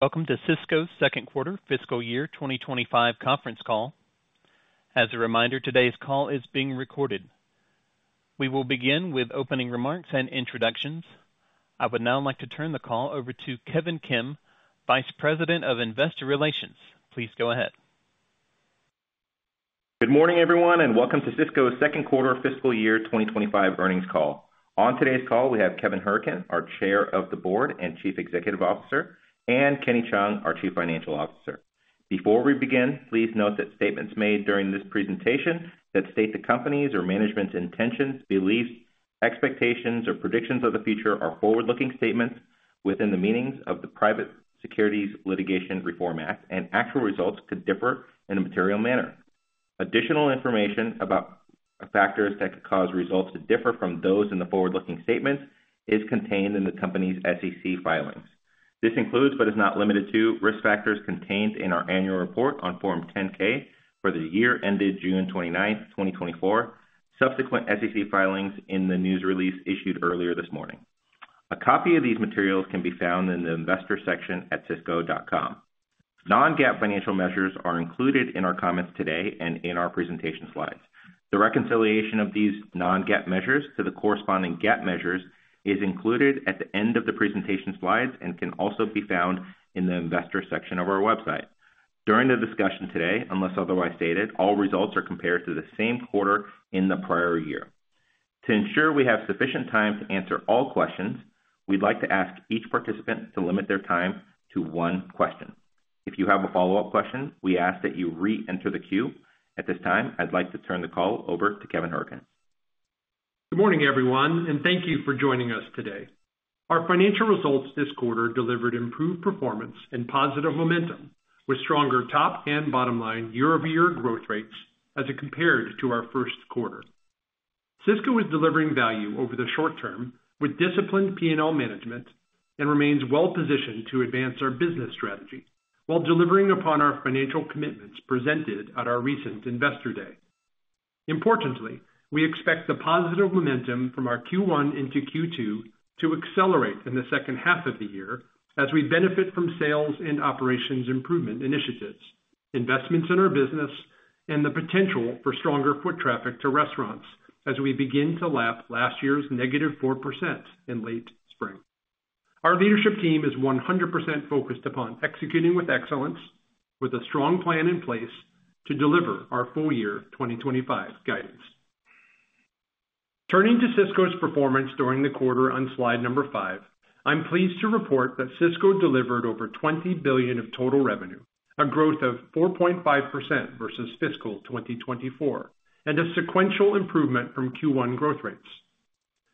Welcome to Sysco's second quarter fiscal year 2025 conference call. As a reminder, today's call is being recorded. We will begin with opening remarks and introductions. I would now like to turn the call over to Kevin Kim, Vice President of Investor Relations. Please go ahead. Good morning, everyone, and welcome to Sysco's second quarter fiscal year 2025 earnings call. On today's call, we have Kevin Hourican, our Chair of the Board and Chief Executive Officer, and Kenny Cheung, our Chief Financial Officer. Before we begin, please note that statements made during this presentation that state the company's or management's intentions, beliefs, expectations, or predictions of the future are forward-looking statements within the meanings of the Private Securities Litigation Reform Act, and actual results could differ in a material manner. Additional information about factors that could cause results to differ from those in the forward-looking statements is contained in the company's SEC filings. This includes, but is not limited to, risk factors contained in our annual report on Form 10-K for the year ended June 29th, 2024, subsequent SEC filings in the news release issued earlier this morning. A copy of these materials can be found in the investor section at sysco.com. Non-GAAP financial measures are included in our comments today and in our presentation slides. The reconciliation of these non-GAAP measures to the corresponding GAAP measures is included at the end of the presentation slides and can also be found in the investor section of our website. During the discussion today, unless otherwise stated, all results are compared to the same quarter in the prior year. To ensure we have sufficient time to answer all questions, we'd like to ask each participant to limit their time to one question. If you have a follow-up question, we ask that you re-enter the queue. At this time, I'd like to turn the call over to Kevin Hourican. Good morning, everyone, and thank you for joining us today. Our financial results this quarter delivered improved performance and positive momentum, with stronger top and bottom line year-over-year growth rates as it compared to our first quarter. Sysco is delivering value over the short term with disciplined P&L management and remains well-positioned to advance our business strategy while delivering upon our financial commitments presented at our recent Investor Day. Importantly, we expect the positive momentum from our Q1 into Q2 to accelerate in the second half of the year as we benefit from sales and operations improvement initiatives, investments in our business, and the potential for stronger foot traffic to restaurants as we begin to lap last year's negative 4% in late spring. Our leadership team is 100% focused upon executing with excellence, with a strong plan in place to deliver our full-year 2025 guidance. Turning to Sysco's performance during the quarter on slide number five, I'm pleased to report that Sysco delivered over $20 billion of total revenue, a growth of 4.5% versus fiscal 2024, and a sequential improvement from Q1 growth rates.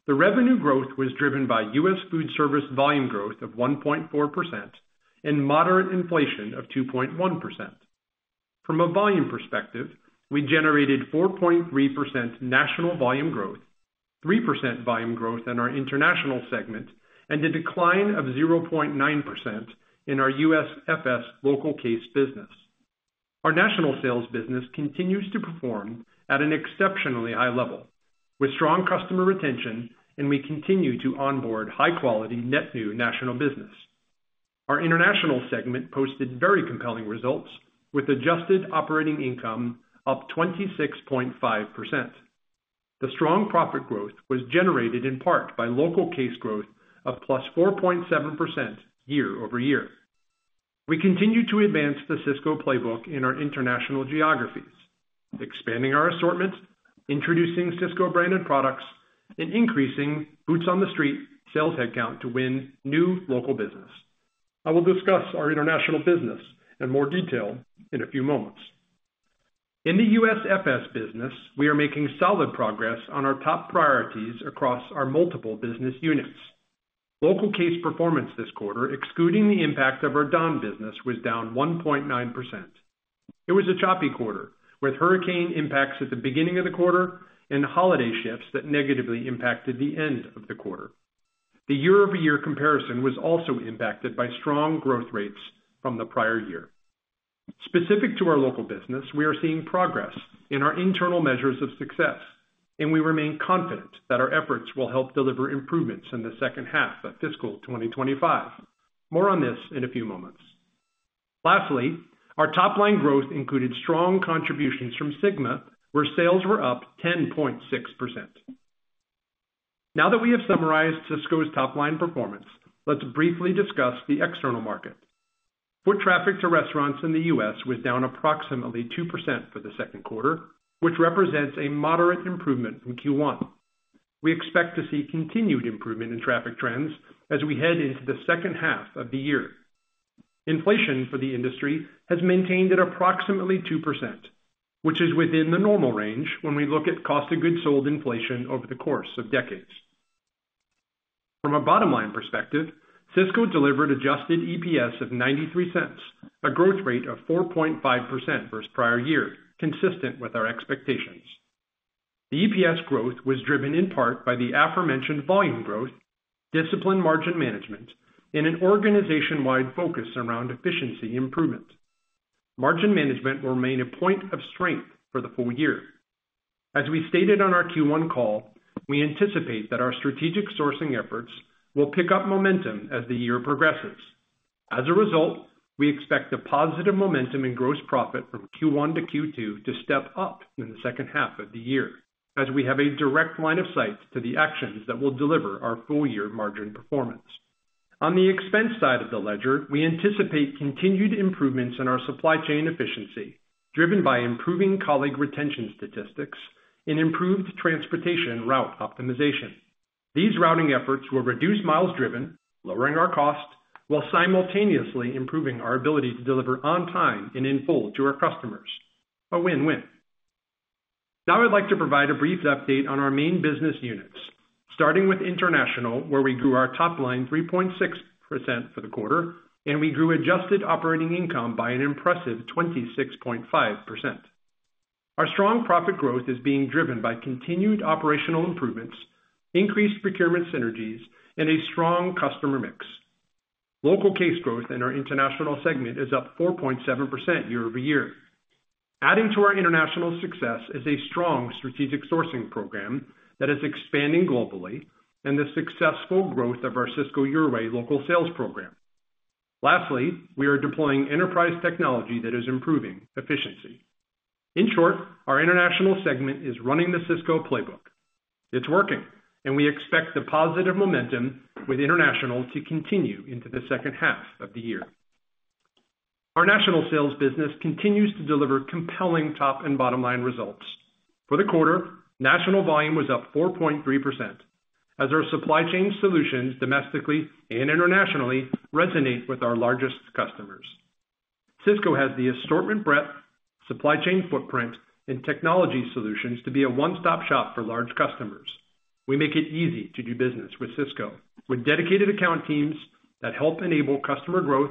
The revenue growth was driven by U.S. Foodservice volume growth of 1.4% and moderate inflation of 2.1%. From a volume perspective, we generated 4.3% national volume growth, 3% volume growth in our international segment, and a decline of 0.9% in our U.S. FS local case business. Our national sales business continues to perform at an exceptionally high level with strong customer retention, and we continue to onboard high-quality net new national business. Our international segment posted very compelling results with adjusted operating income up 26.5%. The strong profit growth was generated in part by local case growth of plus 4.7% year-over-year. We continue to advance the Sysco Playbook in our international geographies, expanding our assortment, introducing Sysco branded products, and increasing boots on the street sales headcount to win new local business. I will discuss our international business in more detail in a few moments. In the U.S. FS business, we are making solid progress on our top priorities across our multiple business units. Local case performance this quarter, excluding the impact of our Don business, was down 1.9%. It was a choppy quarter with hurricane impacts at the beginning of the quarter and holiday shifts that negatively impacted the end of the quarter. The year-over-year comparison was also impacted by strong growth rates from the prior year. Specific to our local business, we are seeing progress in our internal measures of success, and we remain confident that our efforts will help deliver improvements in the second half of fiscal 2025. More on this in a few moments. Lastly, our top-line growth included strong contributions from SYGMA, where sales were up 10.6%. Now that we have summarized Sysco's top-line performance, let's briefly discuss the external market. Foot traffic to restaurants in the U.S. was down approximately 2% for the second quarter, which represents a moderate improvement from Q1. We expect to see continued improvement in traffic trends as we head into the second half of the year. Inflation for the industry has maintained at approximately 2%, which is within the normal range when we look at cost of goods sold inflation over the course of decades. From a bottom-line perspective, Sysco delivered adjusted EPS of $0.93, a growth rate of 4.5% versus prior year, consistent with our expectations. The EPS growth was driven in part by the aforementioned volume growth, disciplined margin management, and an organization-wide focus around efficiency improvement. Margin management will remain a point of strength for the full year. As we stated on our Q1 call, we anticipate that our strategic sourcing efforts will pick up momentum as the year progresses. As a result, we expect the positive momentum in gross profit from Q1 to Q2 to step up in the second half of the year as we have a direct line of sight to the actions that will deliver our full-year margin performance. On the expense side of the ledger, we anticipate continued improvements in our supply chain efficiency driven by improving colleague retention statistics and improved transportation route optimization. These routing efforts will reduce miles driven, lowering our cost, while simultaneously improving our ability to deliver on time and in full to our customers. A win-win. Now I'd like to provide a brief update on our main business units, starting with international, where we grew our top line 3.6% for the quarter, and we grew adjusted operating income by an impressive 26.5%. Our strong profit growth is being driven by continued operational improvements, increased procurement synergies, and a strong customer mix. Local case growth in our international segment is up 4.7% year-over-year. Adding to our international success is a strong strategic sourcing program that is expanding globally and the successful growth of our Sysco Your Way local sales program. Lastly, we are deploying enterprise technology that is improving efficiency. In short, our international segment is running the Sysco playbook. It's working, and we expect the positive momentum with international to continue into the second half of the year. Our national sales business continues to deliver compelling top and bottom line results. For the quarter, national volume was up 4.3% as our supply chain solutions domestically and internationally resonate with our largest customers. Sysco has the assortment breadth, supply chain footprint, and technology solutions to be a one-stop shop for large customers. We make it easy to do business with Sysco with dedicated account teams that help enable customer growth,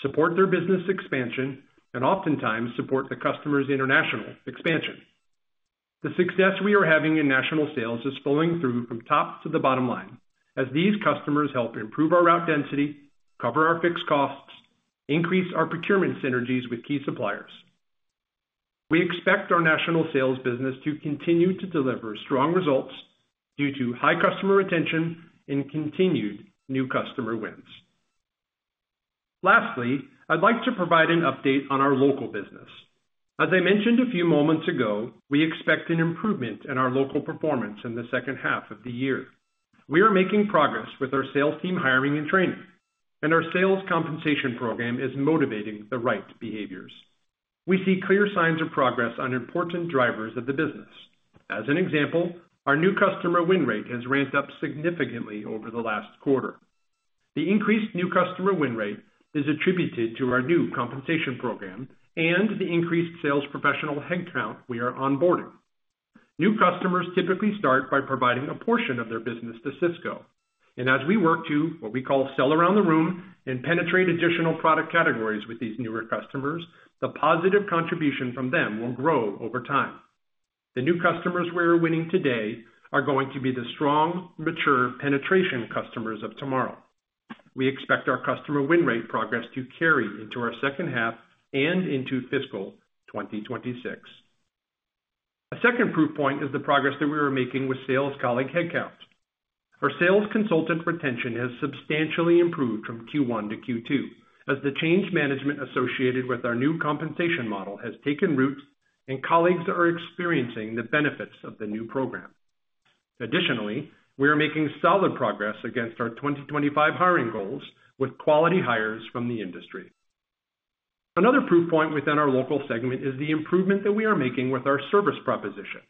support their business expansion, and oftentimes support the customer's international expansion. The success we are having in national sales is flowing through from top to the bottom line as these customers help improve our route density, cover our fixed costs, and increase our procurement synergies with key suppliers. We expect our national sales business to continue to deliver strong results due to high customer retention and continued new customer wins. Lastly, I'd like to provide an update on our local business. As I mentioned a few moments ago, we expect an improvement in our local performance in the second half of the year. We are making progress with our sales team hiring and training, and our sales compensation program is motivating the right behaviors. We see clear signs of progress on important drivers of the business. As an example, our new customer win rate has ramped up significantly over the last quarter. The increased new customer win rate is attributed to our new compensation program and the increased sales professional headcount we are onboarding. New customers typically start by providing a portion of their business to Sysco, and as we work to what we call sell around the room and penetrate additional product categories with these newer customers, the positive contribution from them will grow over time. The new customers we are winning today are going to be the strong, mature penetration customers of tomorrow. We expect our customer win rate progress to carry into our second half and into fiscal 2026. A second proof point is the progress that we are making with sales colleague headcount. Our sales consultant retention has substantially improved from Q1 to Q2 as the change management associated with our new compensation model has taken root, and colleagues are experiencing the benefits of the new program. Additionally, we are making solid progress against our 2025 hiring goals with quality hires from the industry. Another proof point within our local segment is the improvement that we are making with our service proposition.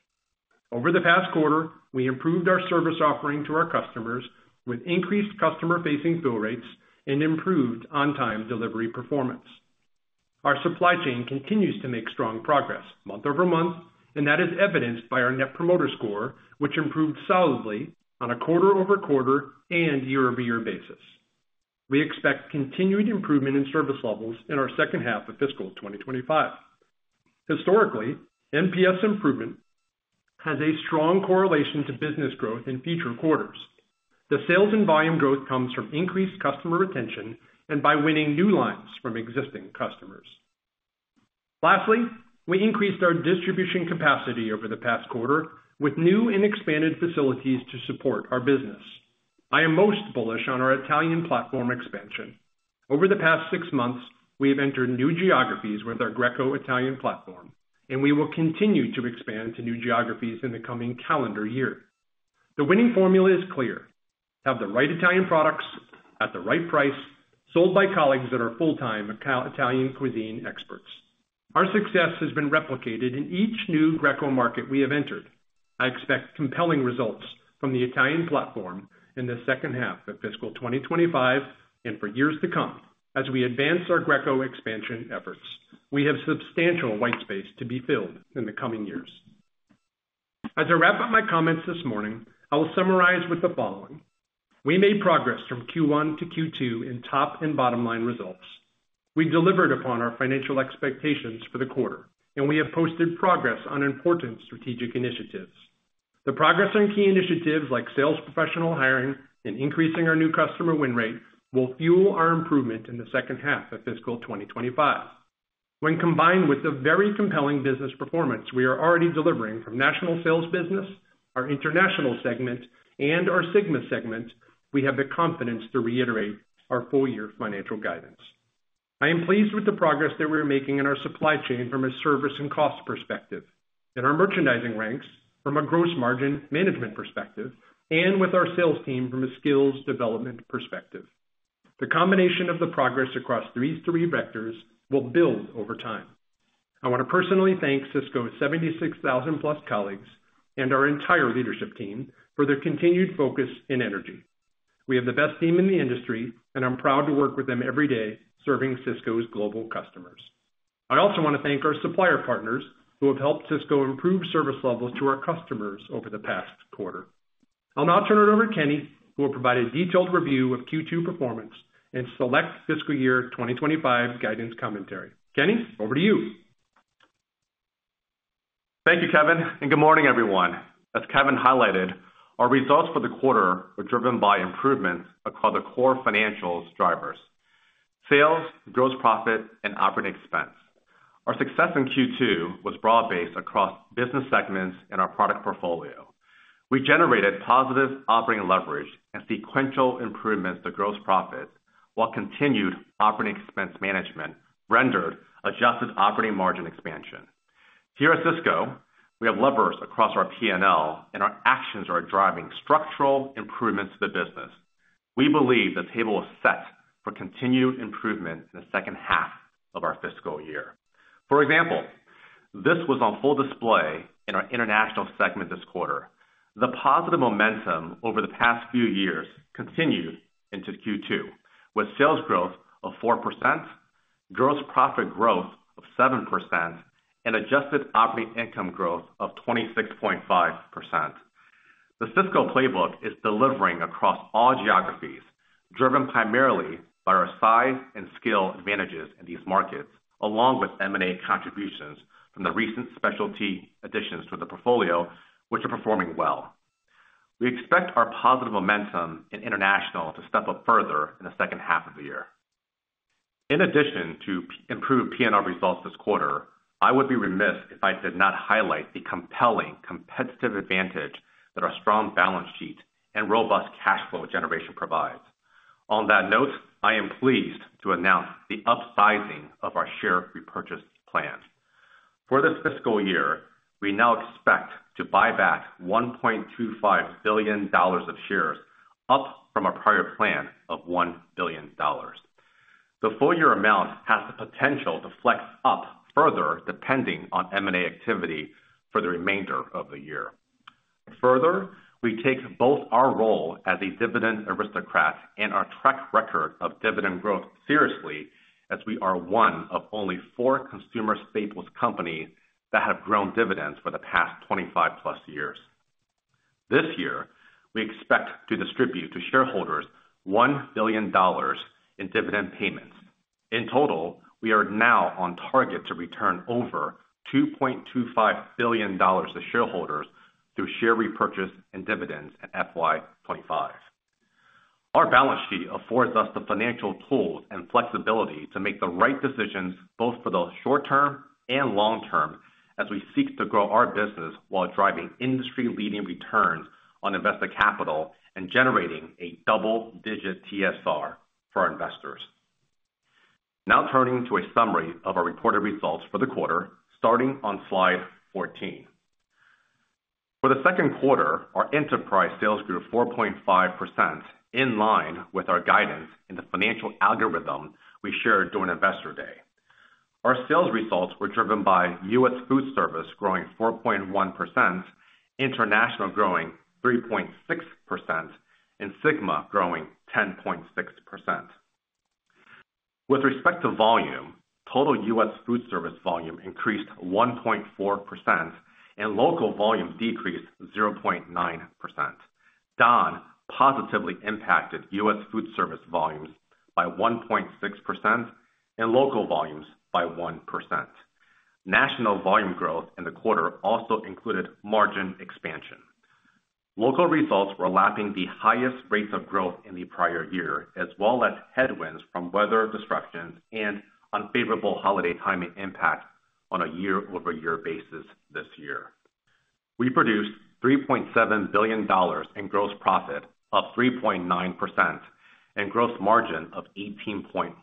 Over the past quarter, we improved our service offering to our customers with increased customer-facing fill rates and improved on-time delivery performance. Our supply chain continues to make strong progress month over month, and that is evidenced by our Net Promoter Score, which improved solidly on a quarter-over-quarter and year-over-year basis. We expect continued improvement in service levels in our second half of fiscal 2025. Historically, NPS improvement has a strong correlation to business growth in future quarters. The sales and volume growth comes from increased customer retention and by winning new lines from existing customers. Lastly, we increased our distribution capacity over the past quarter with new and expanded facilities to support our business. I am most bullish on our Italian platform expansion. Over the past six months, we have entered new geographies with our Greco Italian platform, and we will continue to expand to new geographies in the coming calendar year. The winning formula is clear: have the right Italian products at the right price, sold by colleagues that are full-time Italian cuisine experts. Our success has been replicated in each new Greco market we have entered. I expect compelling results from the Italian platform in the second half of fiscal 2025 and for years to come as we advance our Greco expansion efforts. We have substantial white space to be filled in the coming years. As I wrap up my comments this morning, I will summarize with the following: we made progress from Q1 to Q2 in top and bottom line results. We delivered upon our financial expectations for the quarter, and we have posted progress on important strategic initiatives. The progress on key initiatives like sales professional hiring and increasing our new customer win rate will fuel our improvement in the second half of fiscal 2025. When combined with the very compelling business performance we are already delivering from national sales business, our international segment, and our SYGMA segment, we have the confidence to reiterate our full-year financial guidance. I am pleased with the progress that we are making in our supply chain from a service and cost perspective, in our merchandising ranks from a gross margin management perspective, and with our sales team from a skills development perspective. The combination of the progress across these three vectors will build over time. I want to personally thank Sysco's 76,000-plus colleagues and our entire leadership team for their continued focus in energy. We have the best team in the industry, and I'm proud to work with them every day serving Sysco's global customers. I also want to thank our supplier partners who have helped Sysco improve service levels to our customers over the past quarter. I'll now turn it over to Kenny, who will provide a detailed review of Q2 performance and select fiscal year 2025 guidance commentary. Kenny, over to you. Thank you, Kevin, and good morning, everyone. As Kevin highlighted, our results for the quarter were driven by improvements across the core financials drivers: sales, gross profit, and operating expense. Our success in Q2 was broad-based across business segments in our product portfolio. We generated positive operating leverage and sequential improvements to gross profit while continued operating expense management rendered adjusted operating margin expansion. Here at Sysco, we have levers across our P&L, and our actions are driving structural improvements to the business. We believe the table is set for continued improvement in the second half of our fiscal year. For example, this was on full display in our international segment this quarter. The positive momentum over the past few years continued into Q2 with sales growth of 4%, gross profit growth of 7%, and adjusted operating income growth of 26.5%. The Sysco playbook is delivering across all geographies, driven primarily by our size and scale advantages in these markets, along with M&A contributions from the recent specialty additions to the portfolio, which are performing well. We expect our positive momentum in international to step up further in the second half of the year. In addition to improved P&L results this quarter, I would be remiss if I did not highlight the compelling competitive advantage that our strong balance sheet and robust cash flow generation provides. On that note, I am pleased to announce the upsizing of our share repurchase plan. For this fiscal year, we now expect to buy back $1.25 billion of shares, up from our prior plan of $1 billion. The full-year amount has the potential to flex up further depending on M&A activity for the remainder of the year. Further, we take both our role as a Dividend Aristocrat and our track record of dividend growth seriously as we are one of only four consumer staples companies that have grown dividends for the past 25-plus years. This year, we expect to distribute to shareholders $1 billion in dividend payments. In total, we are now on target to return over $2.25 billion to shareholders through share repurchase and dividends in FY2025. Our balance sheet affords us the financial tools and flexibility to make the right decisions both for the short term and long term as we seek to grow our business while driving industry-leading returns on invested capital and generating a double-digit TSR for our investors. Now turning to a summary of our reported results for the quarter, starting on slide 14. For the second quarter, our enterprise sales grew 4.5% in line with our guidance in the financial algorithm we shared during investor day. Our sales results were driven by U.S. Foodservice growing 4.1%, international growing 3.6%, and SYGMA growing 10.6%. With respect to volume, total U.S. Foodservice volume increased 1.4%, and local volume decreased 0.9%. DON positively impacted U.S. Foodservice volumes by 1.6% and local volumes by 1%. National volume growth in the quarter also included margin expansion. Local results were lapping the highest rates of growth in the prior year, as well as headwinds from weather disruptions and unfavorable holiday timing impact on a year-over-year basis this year. We produced $3.7 billion in gross profit of 3.9% and gross margin of 18.1%.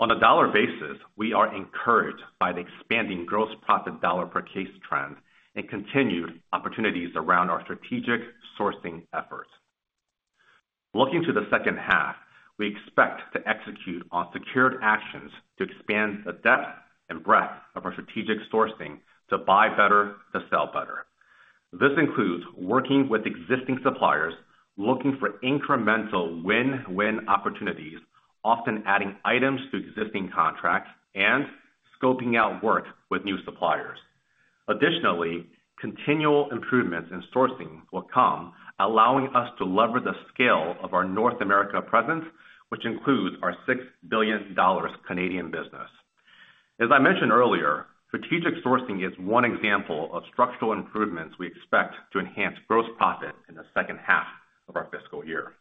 On a dollar basis, we are encouraged by the expanding gross profit dollar per case trend and continued opportunities around our strategic sourcing efforts. Looking to the second half, we expect to execute on secured actions to expand the depth and breadth of our strategic sourcing to buy better, to sell better. This includes working with existing suppliers, looking for incremental win-win opportunities, often adding items to existing contracts and scoping out work with new suppliers. Additionally, continual improvements in sourcing will come, allowing us to leverage the scale of our North America presence, which includes our $6 billion Canadian business. As I mentioned earlier, strategic sourcing is one example of structural improvements we expect to enhance gross profit in the second half of our fiscal year.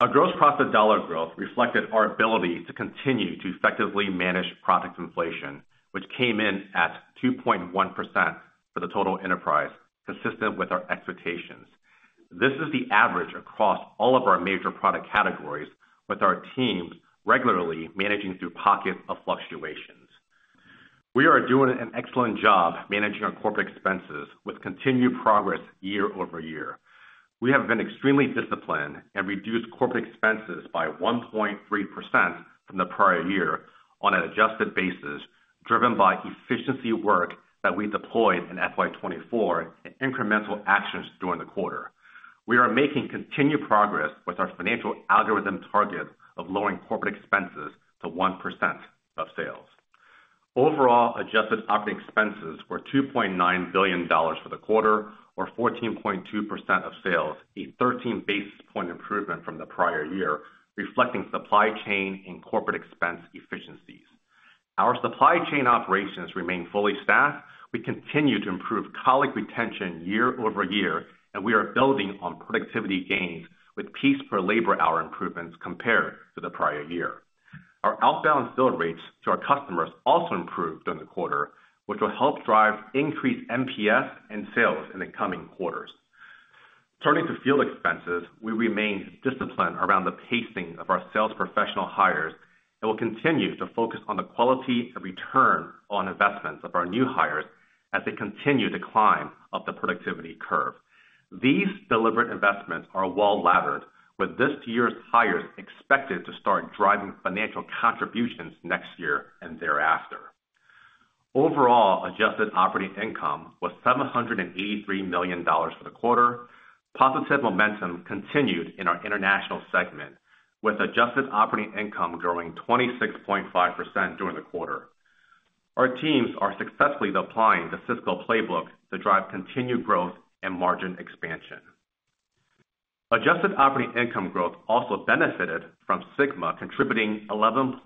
Our gross profit dollar growth reflected our ability to continue to effectively manage product inflation, which came in at 2.1% for the total enterprise, consistent with our expectations. This is the average across all of our major product categories, with our teams regularly managing through pockets of fluctuations. We are doing an excellent job managing our corporate expenses with continued progress year-over-year. We have been extremely disciplined and reduced corporate expenses by 1.3% from the prior year on an adjusted basis, driven by efficiency work that we deployed in FY2024 and incremental actions during the quarter. We are making continued progress with our financial algorithm target of lowering corporate expenses to 1% of sales. Overall, adjusted operating expenses were $2.9 billion for the quarter, or 14.2% of sales, a 13 basis points improvement from the prior year, reflecting supply chain and corporate expense efficiencies. Our supply chain operations remain fully staffed. We continue to improve colleague retention year-over-year, and we are building on productivity gains with piece-per-labor-hour improvements compared to the prior year. Our outbound sales rates to our customers also improved during the quarter, which will help drive increased NPS and sales in the coming quarters. Turning to field expenses, we remain disciplined around the pacing of our sales professional hires and will continue to focus on the quality and return on investments of our new hires as they continue to climb up the productivity curve. These deliberate investments are well laddered, with this year's hires expected to start driving financial contributions next year and thereafter. Overall, adjusted operating income was $783 million for the quarter. Positive momentum continued in our international segment, with adjusted operating income growing 26.5% during the quarter. Our teams are successfully applying the Sysco Playbook to drive continued growth and margin expansion. Adjusted Operating Income growth also benefited from SYGMA contributing 11.8%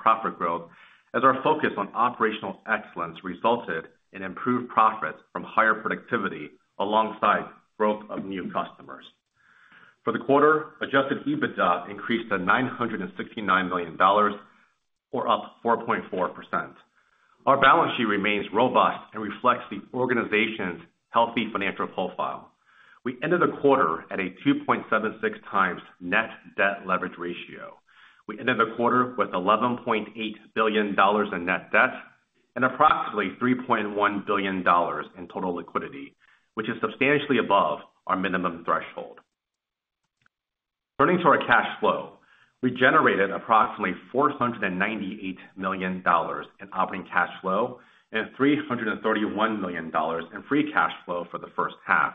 profit growth as our focus on operational excellence resulted in improved profits from higher productivity alongside growth of new customers. For the quarter, Adjusted EBITDA increased to $969 million, or up 4.4%. Our balance sheet remains robust and reflects the organization's healthy financial profile. We ended the quarter at a 2.76x net debt leverage ratio. We ended the quarter with $11.8 billion in net debt and approximately $3.1 billion in total liquidity, which is substantially above our minimum threshold. Turning to our cash flow, we generated approximately $498 million in operating cash flow and $331 million in free cash flow for the first half,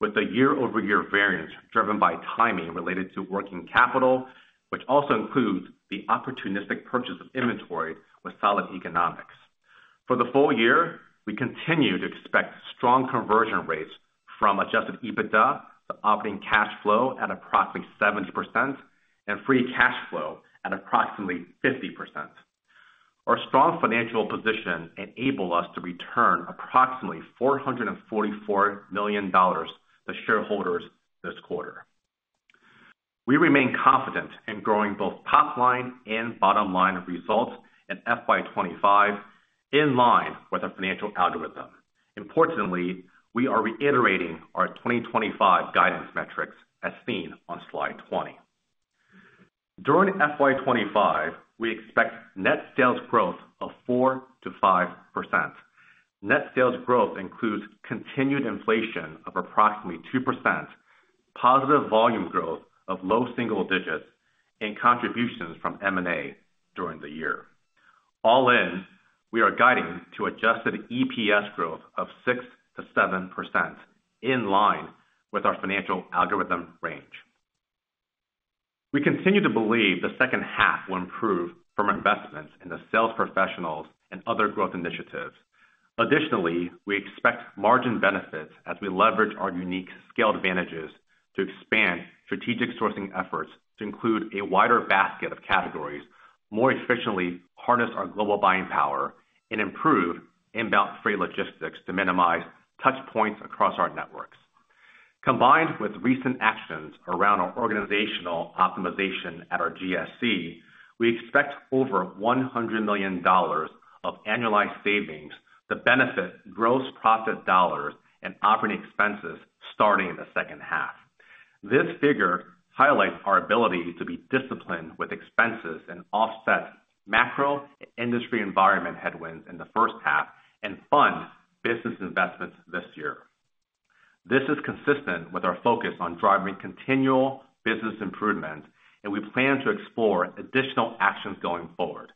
with the year-over-year variance driven by timing related to working capital, which also includes the opportunistic purchase of inventory with solid economics. For the full year, we continue to expect strong conversion rates from adjusted EBITDA to operating cash flow at approximately 70% and free cash flow at approximately 50%. Our strong financial position enabled us to return approximately $444 million to shareholders this quarter. We remain confident in growing both top-line and bottom-line results in FY2025 in line with our financial algorithm. Importantly, we are reiterating our 2025 guidance metrics as seen on slide 20. During FY2025, we expect net sales growth of 4%-5%. Net sales growth includes continued inflation of approximately 2%, positive volume growth of low single digits, and contributions from M&A during the year. All in, we are guiding to adjusted EPS growth of 6%-7% in line with our financial algorithm range. We continue to believe the second half will improve from investments in the sales professionals and other growth initiatives. Additionally, we expect margin benefits as we leverage our unique scale advantages to expand strategic sourcing efforts to include a wider basket of categories, more efficiently harness our global buying power, and improve inbound freight logistics to minimize touch points across our networks. Combined with recent actions around our organizational optimization at our GSC, we expect over $100 million of annualized savings to benefit gross profit dollars and operating expenses starting in the second half. This figure highlights our ability to be disciplined with expenses and offset macro and industry environment headwinds in the first half and fund business investments this year. This is consistent with our focus on driving continual business improvements, and we plan to explore additional actions going forward.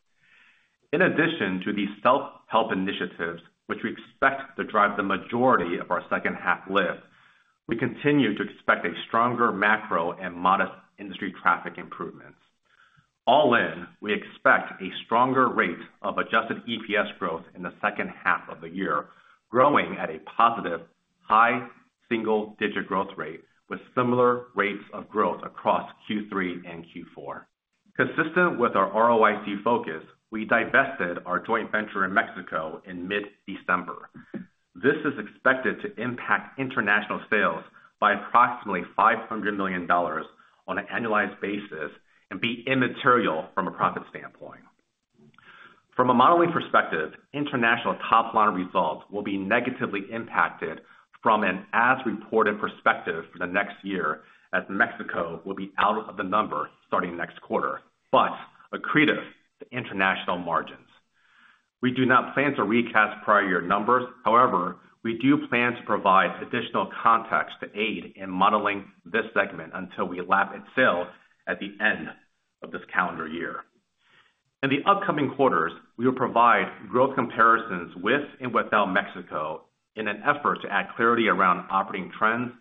In addition to these self-help initiatives, which we expect to drive the majority of our second half lift, we continue to expect a stronger macro and modest industry traffic improvements. All in, we expect a stronger rate of adjusted EPS growth in the second half of the year, growing at a positive high single-digit growth rate with similar rates of growth across Q3 and Q4. Consistent with our ROIC focus, we divested our joint venture in Mexico in mid-December. This is expected to impact international sales by approximately $500 million on an annualized basis and be immaterial from a profit standpoint. From a modeling perspective, international top-line results will be negatively impacted from an as-reported perspective for the next year as Mexico will be out of the number starting next quarter, but accretive to international margins. We do not plan to recast prior year numbers. However, we do plan to provide additional context to aid in modeling this segment until we lap the sale at the end of this calendar year. In the upcoming quarters, we will provide growth comparisons with and without Mexico in an effort to add clarity around operating trends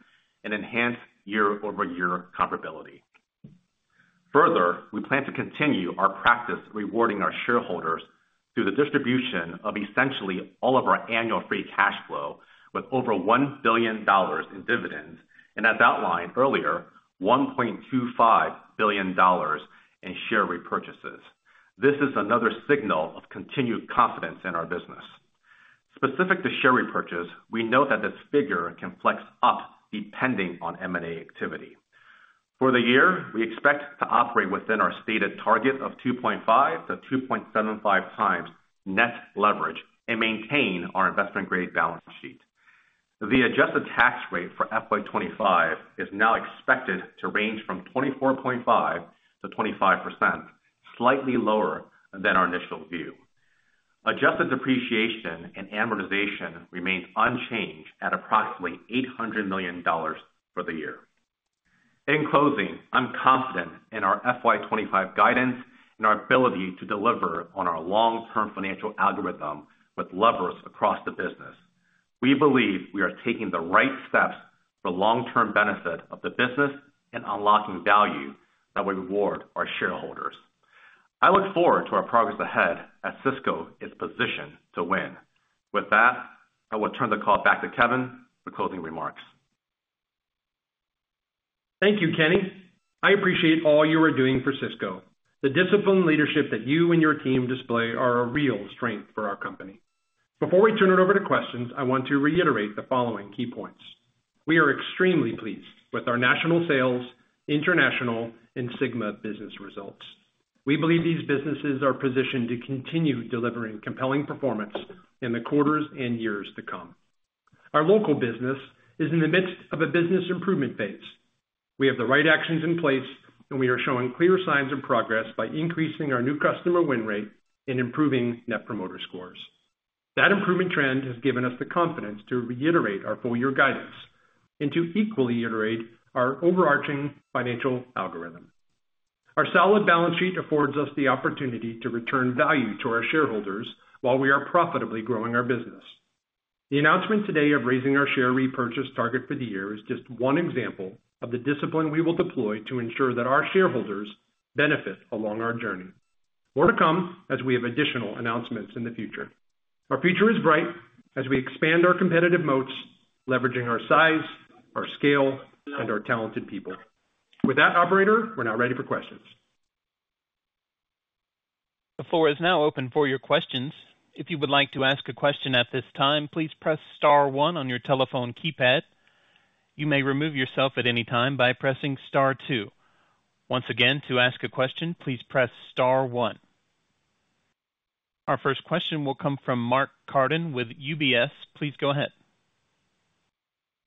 and enhance year-over-year comparability. Further, we plan to continue our practice of rewarding our shareholders through the distribution of essentially all of our annual free cash flow with over $1 billion in dividends and, as outlined earlier, $1.25 billion in share repurchases. This is another signal of continued confidence in our business. Specific to share repurchase, we note that this figure can flex up depending on M&A activity. For the year, we expect to operate within our stated target of 2.5 times-2.75 times net leverage and maintain our investment-grade balance sheet. The adjusted tax rate for FY2025 is now expected to range from 24.5%-25%, slightly lower than our initial view. Adjusted depreciation and amortization remain unchanged at approximately $800 million for the year. In closing, I'm confident in our FY2025 guidance and our ability to deliver on our long-term financial algorithm with levers across the business. We believe we are taking the right steps for long-term benefit of the business and unlocking value that will reward our shareholders. I look forward to our progress ahead as Sysco is positioned to win. With that, I will turn the call back to Kevin for closing remarks. Thank you, Kenny. I appreciate all you are doing for Sysco. The discipline and leadership that you and your team display are a real strength for our company. Before we turn it over to questions, I want to reiterate the following key points. We are extremely pleased with our national sales, international, and SYGMA business results. We believe these businesses are positioned to continue delivering compelling performance in the quarters and years to come. Our local business is in the midst of a business improvement phase. We have the right actions in place, and we are showing clear signs of progress by increasing our new customer win rate and improving net promoter scores. That improvement trend has given us the confidence to reiterate our full-year guidance and to equally iterate our overarching financial algorithm. Our solid balance sheet affords us the opportunity to return value to our shareholders while we are profitably growing our business. The announcement today of raising our share repurchase target for the year is just one example of the discipline we will deploy to ensure that our shareholders benefit along our journey. More to come as we have additional announcements in the future. Our future is bright as we expand our competitive moats, leveraging our size, our scale, and our talented people. With that, operator, we're now ready for questions. The floor is now open for your questions. If you would like to ask a question at this time, please press star one on your telephone keypad. You may remove yourself at any time by pressing star two. Once again, to ask a question, please press star one. Our first question will come from Mark Carden with UBS. Please go ahead.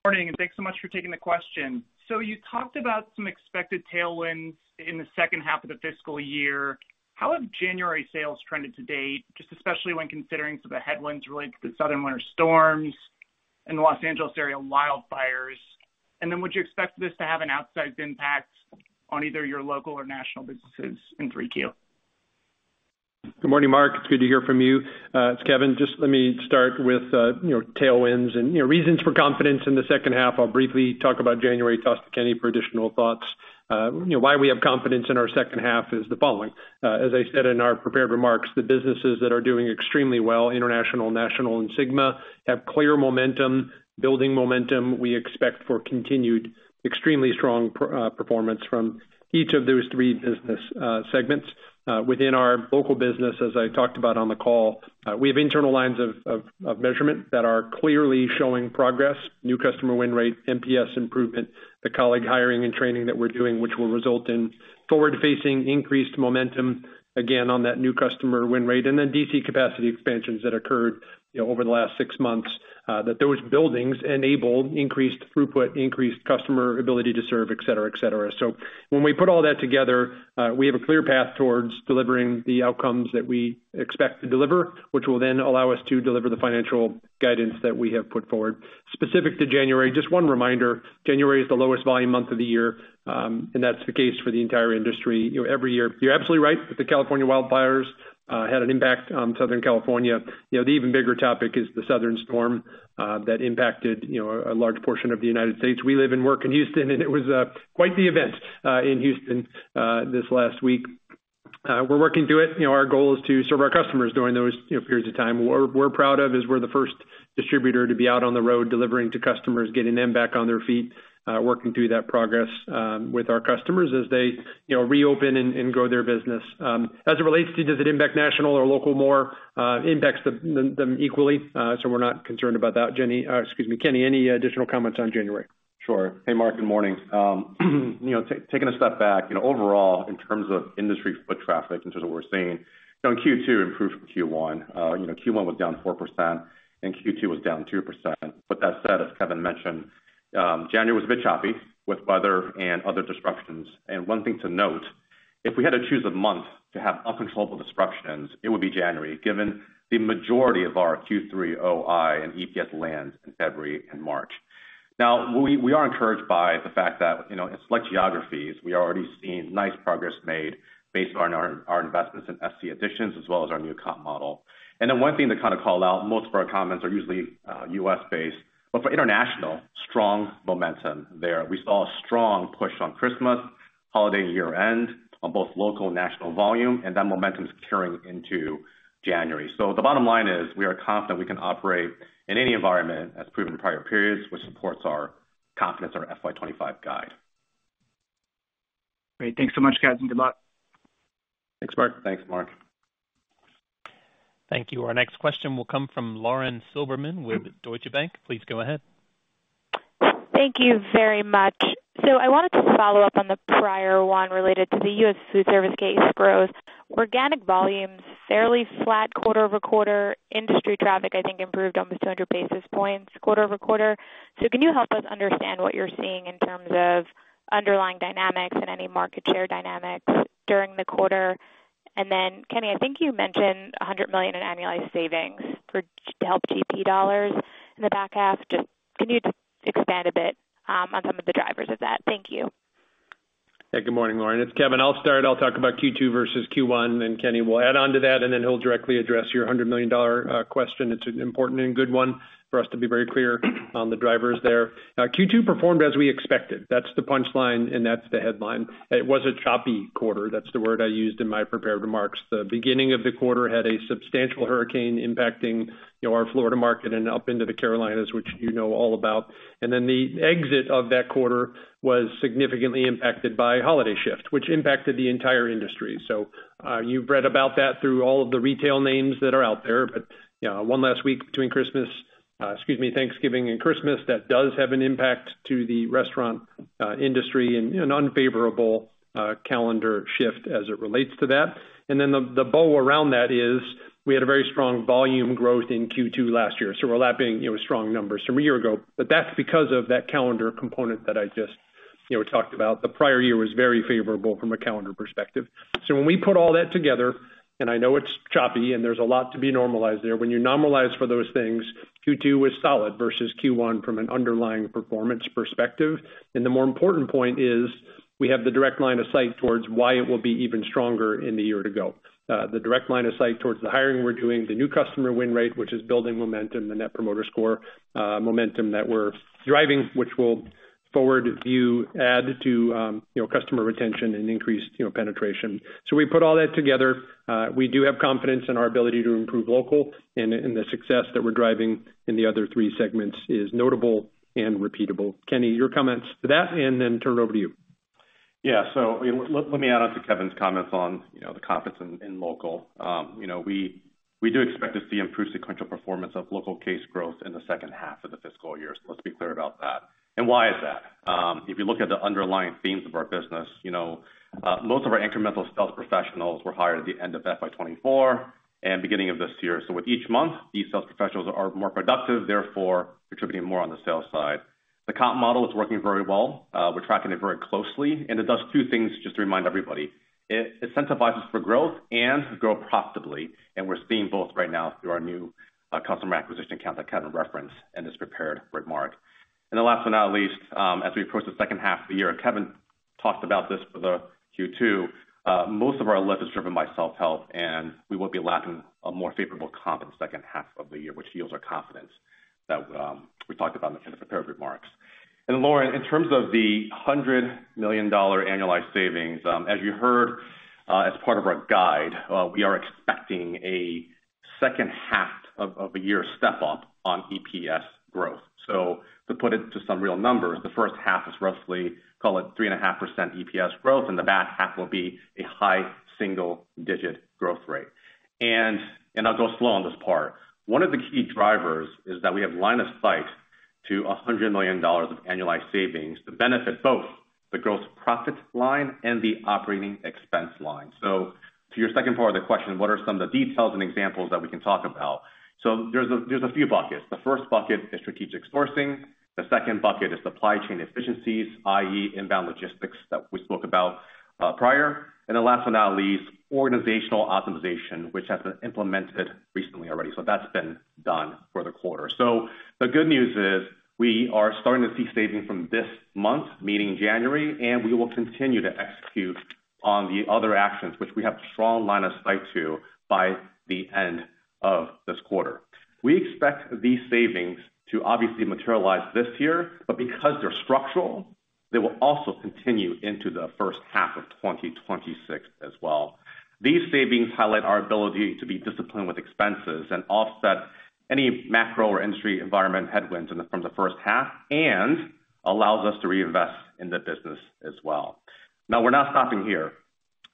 Good morning, and thanks so much for taking the question. So you talked about some expected tailwinds in the second half of the fiscal year. How have January sales trended to date, just especially when considering some of the headwinds related to the southern winter storms and Los Angeles area wildfires? And then would you expect this to have an outsized impact on either your local or national businesses in 3Q? Good morning, Mark. It's good to hear from you. It's Kevin. Just let me start with tailwinds and reasons for confidence in the second half. I'll briefly talk about January. Toss to Kenny for additional thoughts. Why we have confidence in our second half is the following. As I said in our prepared remarks, the businesses that are doing extremely well, international, national, and SYGMA, have clear momentum, building momentum. We expect continued extremely strong performance from each of those three business segments. Within our local business, as I talked about on the call, we have internal lines of measurement that are clearly showing progress: new customer win rate, NPS improvement, the colleague hiring and training that we're doing, which will result in forward-facing increased momentum again on that new customer win rate, and then DC capacity expansions that occurred over the last six months that those buildings enabled increased throughput, increased customer ability to serve, et cetera, et cetera. So when we put all that together, we have a clear path towards delivering the outcomes that we expect to deliver, which will then allow us to deliver the financial guidance that we have put forward. Specific to January, just one reminder, January is the lowest volume month of the year, and that's the case for the entire industry every year. You're absolutely right that the California wildfires had an impact on Southern California. The even bigger topic is the southern storm that impacted a large portion of the United States. We live and work in Houston, and it was quite the event in Houston this last week. We're working through it. Our goal is to serve our customers during those periods of time. What we're proud of is we're the first distributor to be out on the road delivering to customers, getting them back on their feet, working through that progress with our customers as they reopen and grow their business. As it relates to does it impact national or local more, it impacts them equally. So we're not concerned about that. Jenny, excuse me, Kenny. Any additional comments on January? Sure. Hey, Mark, good morning. Taking a step back, overall, in terms of industry foot traffic, in terms of what we're seeing, Q2 improved from Q1. Q1 was down 4%, and Q2 was down 2%. But that said, as Kevin mentioned, January was a bit choppy with weather and other disruptions, and one thing to note, if we had to choose a month to have uncontrollable disruptions, it would be January, given the majority of our Q3 OI and EPS lands in February and March. Now, we are encouraged by the fact that in select geographies, we are already seeing nice progress made based on our investments in SC additions as well as our new comp model, and then one thing to kind of call out, most of our comments are usually U.S.-based, but for international, strong momentum there. We saw a strong push on Christmas, holiday year-end, on both local and national volume, and that momentum is carrying into January. So the bottom line is we are confident we can operate in any environment, as proven in prior periods, which supports our confidence, our FY2025 guide. Great. Thanks so much, guys. And good luck. Thanks, Mark. Thanks, Mark. Thank you. Our next question will come from Lauren Silberman with Deutsche Bank. Please go ahead. Thank you very much. So I wanted to follow up on the prior one related to the U.S. Foodservice case growth. Organic volumes, fairly flat quarter-over-quarter. Industry traffic, I think, improved almost 200 basis points quarter-over-quarter. So can you help us understand what you're seeing in terms of underlying dynamics and any market share dynamics during the quarter? And then, Kenny, I think you mentioned $100 million in annualized savings to help GP dollars in the back half. Just can you expand a bit on some of the drivers of that? Thank you. Yeah, good morning, Lauren. It's Kevin. I'll start. I'll talk about Q2 versus Q1, and Kenny will add on to that, and then he'll directly address your $100 million question. It's an important and good one for us to be very clear on the drivers there. Q2 performed as we expected. That's the punchline, and that's the headline. It was a choppy quarter. That's the word I used in my prepared remarks. The beginning of the quarter had a substantial hurricane impacting our Florida market and up into the Carolinas, which you know all about. And then the exit of that quarter was significantly impacted by holiday shift, which impacted the entire industry. So you've read about that through all of the retail names that are out there. But one last week between Christmas, excuse me, Thanksgiving and Christmas, that does have an impact to the restaurant industry and an unfavorable calendar shift as it relates to that. And then the bow around that is we had a very strong volume growth in Q2 last year. So we're lapping strong numbers from a year ago. But that's because of that calendar component that I just talked about. The prior year was very favorable from a calendar perspective. So when we put all that together, and I know it's choppy and there's a lot to be normalized there, when you normalize for those things, Q2 was solid versus Q1 from an underlying performance perspective. The more important point is we have the direct line of sight towards why it will be even stronger in the year to go. The direct line of sight towards the hiring we're doing, the new customer win rate, which is building momentum, the Net Promoter Score momentum that we're driving, which will forward view add to customer retention and increased penetration. So we put all that together. We do have confidence in our ability to improve local, and the success that we're driving in the other three segments is notable and repeatable. Kenny, your comments to that, and then turn it over to you. Yeah. So let me add on to Kevin's comments on the confidence in local. We do expect to see improved sequential performance of local case growth in the second half of the fiscal year. So let's be clear about that. And why is that? If you look at the underlying themes of our business, most of our incremental sales professionals were hired at the end of FY2024 and beginning of this year. So with each month, these sales professionals are more productive, therefore contributing more on the sales side. The comp model is working very well. We're tracking it very closely. And it does two things just to remind everybody. It incentivizes for growth and grow profitably. And we're seeing both right now through our new customer acquisition account that Kevin referenced in his prepared remark. And then last but not least, as we approach the second half of the year, Kevin talked about this for the Q2. Most of our lift is driven by self-help, and we will be lapping a more favorable comp in the second half of the year, which yields our confidence that we talked about in the prepared remarks. And Lauren, in terms of the $100 million annualized savings, as you heard as part of our guide, we are expecting a second half of a year step up on EPS growth. So to put it to some real numbers, the first half is roughly, call it 3.5% EPS growth, and the back half will be a high single-digit growth rate. And I'll go slow on this part. One of the key drivers is that we have line of sight to $100 million of annualized savings to benefit both the gross profit line and the operating expense line. So to your second part of the question, what are some of the details and examples that we can talk about? So there's a few buckets. The first bucket is strategic sourcing. The second bucket is supply chain efficiencies, i.e., inbound logistics that we spoke about prior. And then last but not least, organizational optimization, which has been implemented recently already. So that's been done for the quarter. So the good news is we are starting to see savings from this month, meaning January, and we will continue to execute on the other actions, which we have a strong line of sight to by the end of this quarter. We expect these savings to obviously materialize this year, but because they're structural, they will also continue into the first half of 2026 as well. These savings highlight our ability to be disciplined with expenses and offset any macro or industry environment headwinds from the first half and allows us to reinvest in the business as well. Now, we're not stopping here.